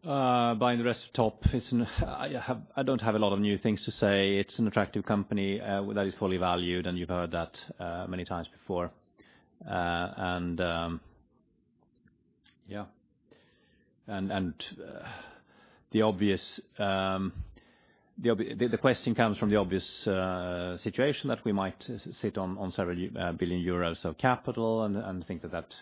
Buying the rest of Topdanmark, I don't have a lot of new things to say. It's an attractive company that is fully valued. You've heard that many times before. The question comes from the obvious situation that we might sit on several billion euros of capital and think that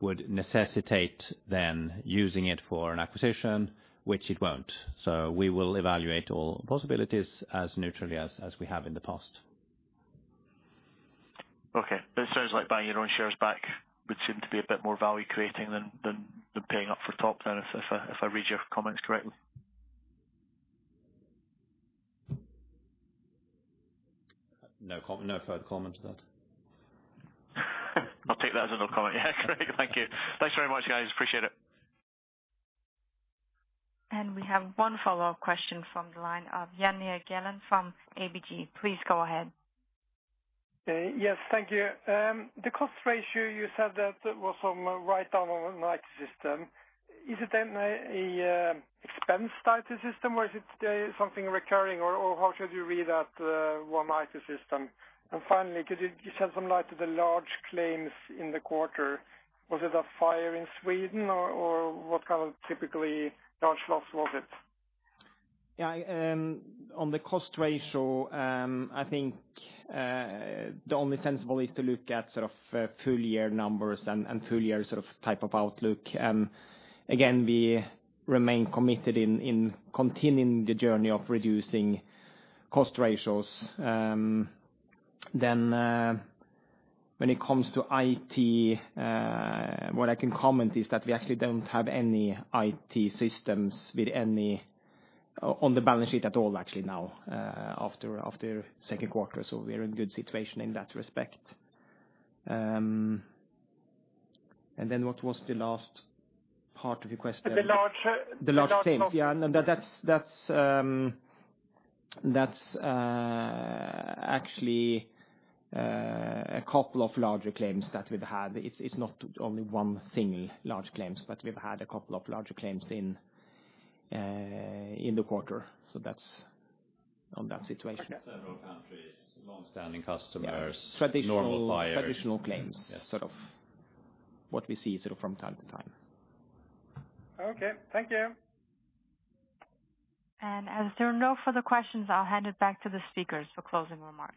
would necessitate then using it for an acquisition, which it won't. We will evaluate all possibilities as neutrally as we have in the past. Okay, it sounds like buying your own shares back would seem to be a bit more value creating than paying up for Topdanmark then, if I read your comments correctly. No further comments to that. I'll take that as a no comment, yeah, great, thank you. Thanks very much, guys, appreciate it. We have one follow-up question from the line of Jan Erik Gjerland from ABG, please go ahead. Yes, thank you. The cost ratio, you said that was from a write-down on an IT system. Is it then an expense type system or is it something recurring or how should you read that one IT system? Finally, could you shed some light to the large claims in the quarter? Was it a fire in Sweden or what kind of typically large loss was it? On the cost ratio, I think the only sensible is to look at sort of full-year numbers and full-year type of outlook. Again, we remain committed in continuing the journey of reducing cost ratios. When it comes to IT, what I can comment is that we actually don't have any IT systems with any on the balance sheet at all actually now after second quarter. What was the last part of your question? The large-. The large claims. Yeah, that's actually a couple of larger claims that we've had. It's not only one single large claim. We've had a couple of larger claims in the quarter, that's on that situation. Several countries, longstanding customers. Yeah. Normal buyers- Traditional claims, sort of what we see from time to time. Okay, thank you. As there are no further questions, I'll hand it back to the speakers for closing remarks.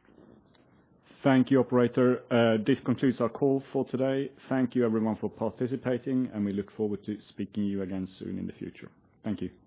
Thank you, operator. This concludes our call for today. Thank you everyone for participating, and we look forward to speaking to you again soon in the future, thank you.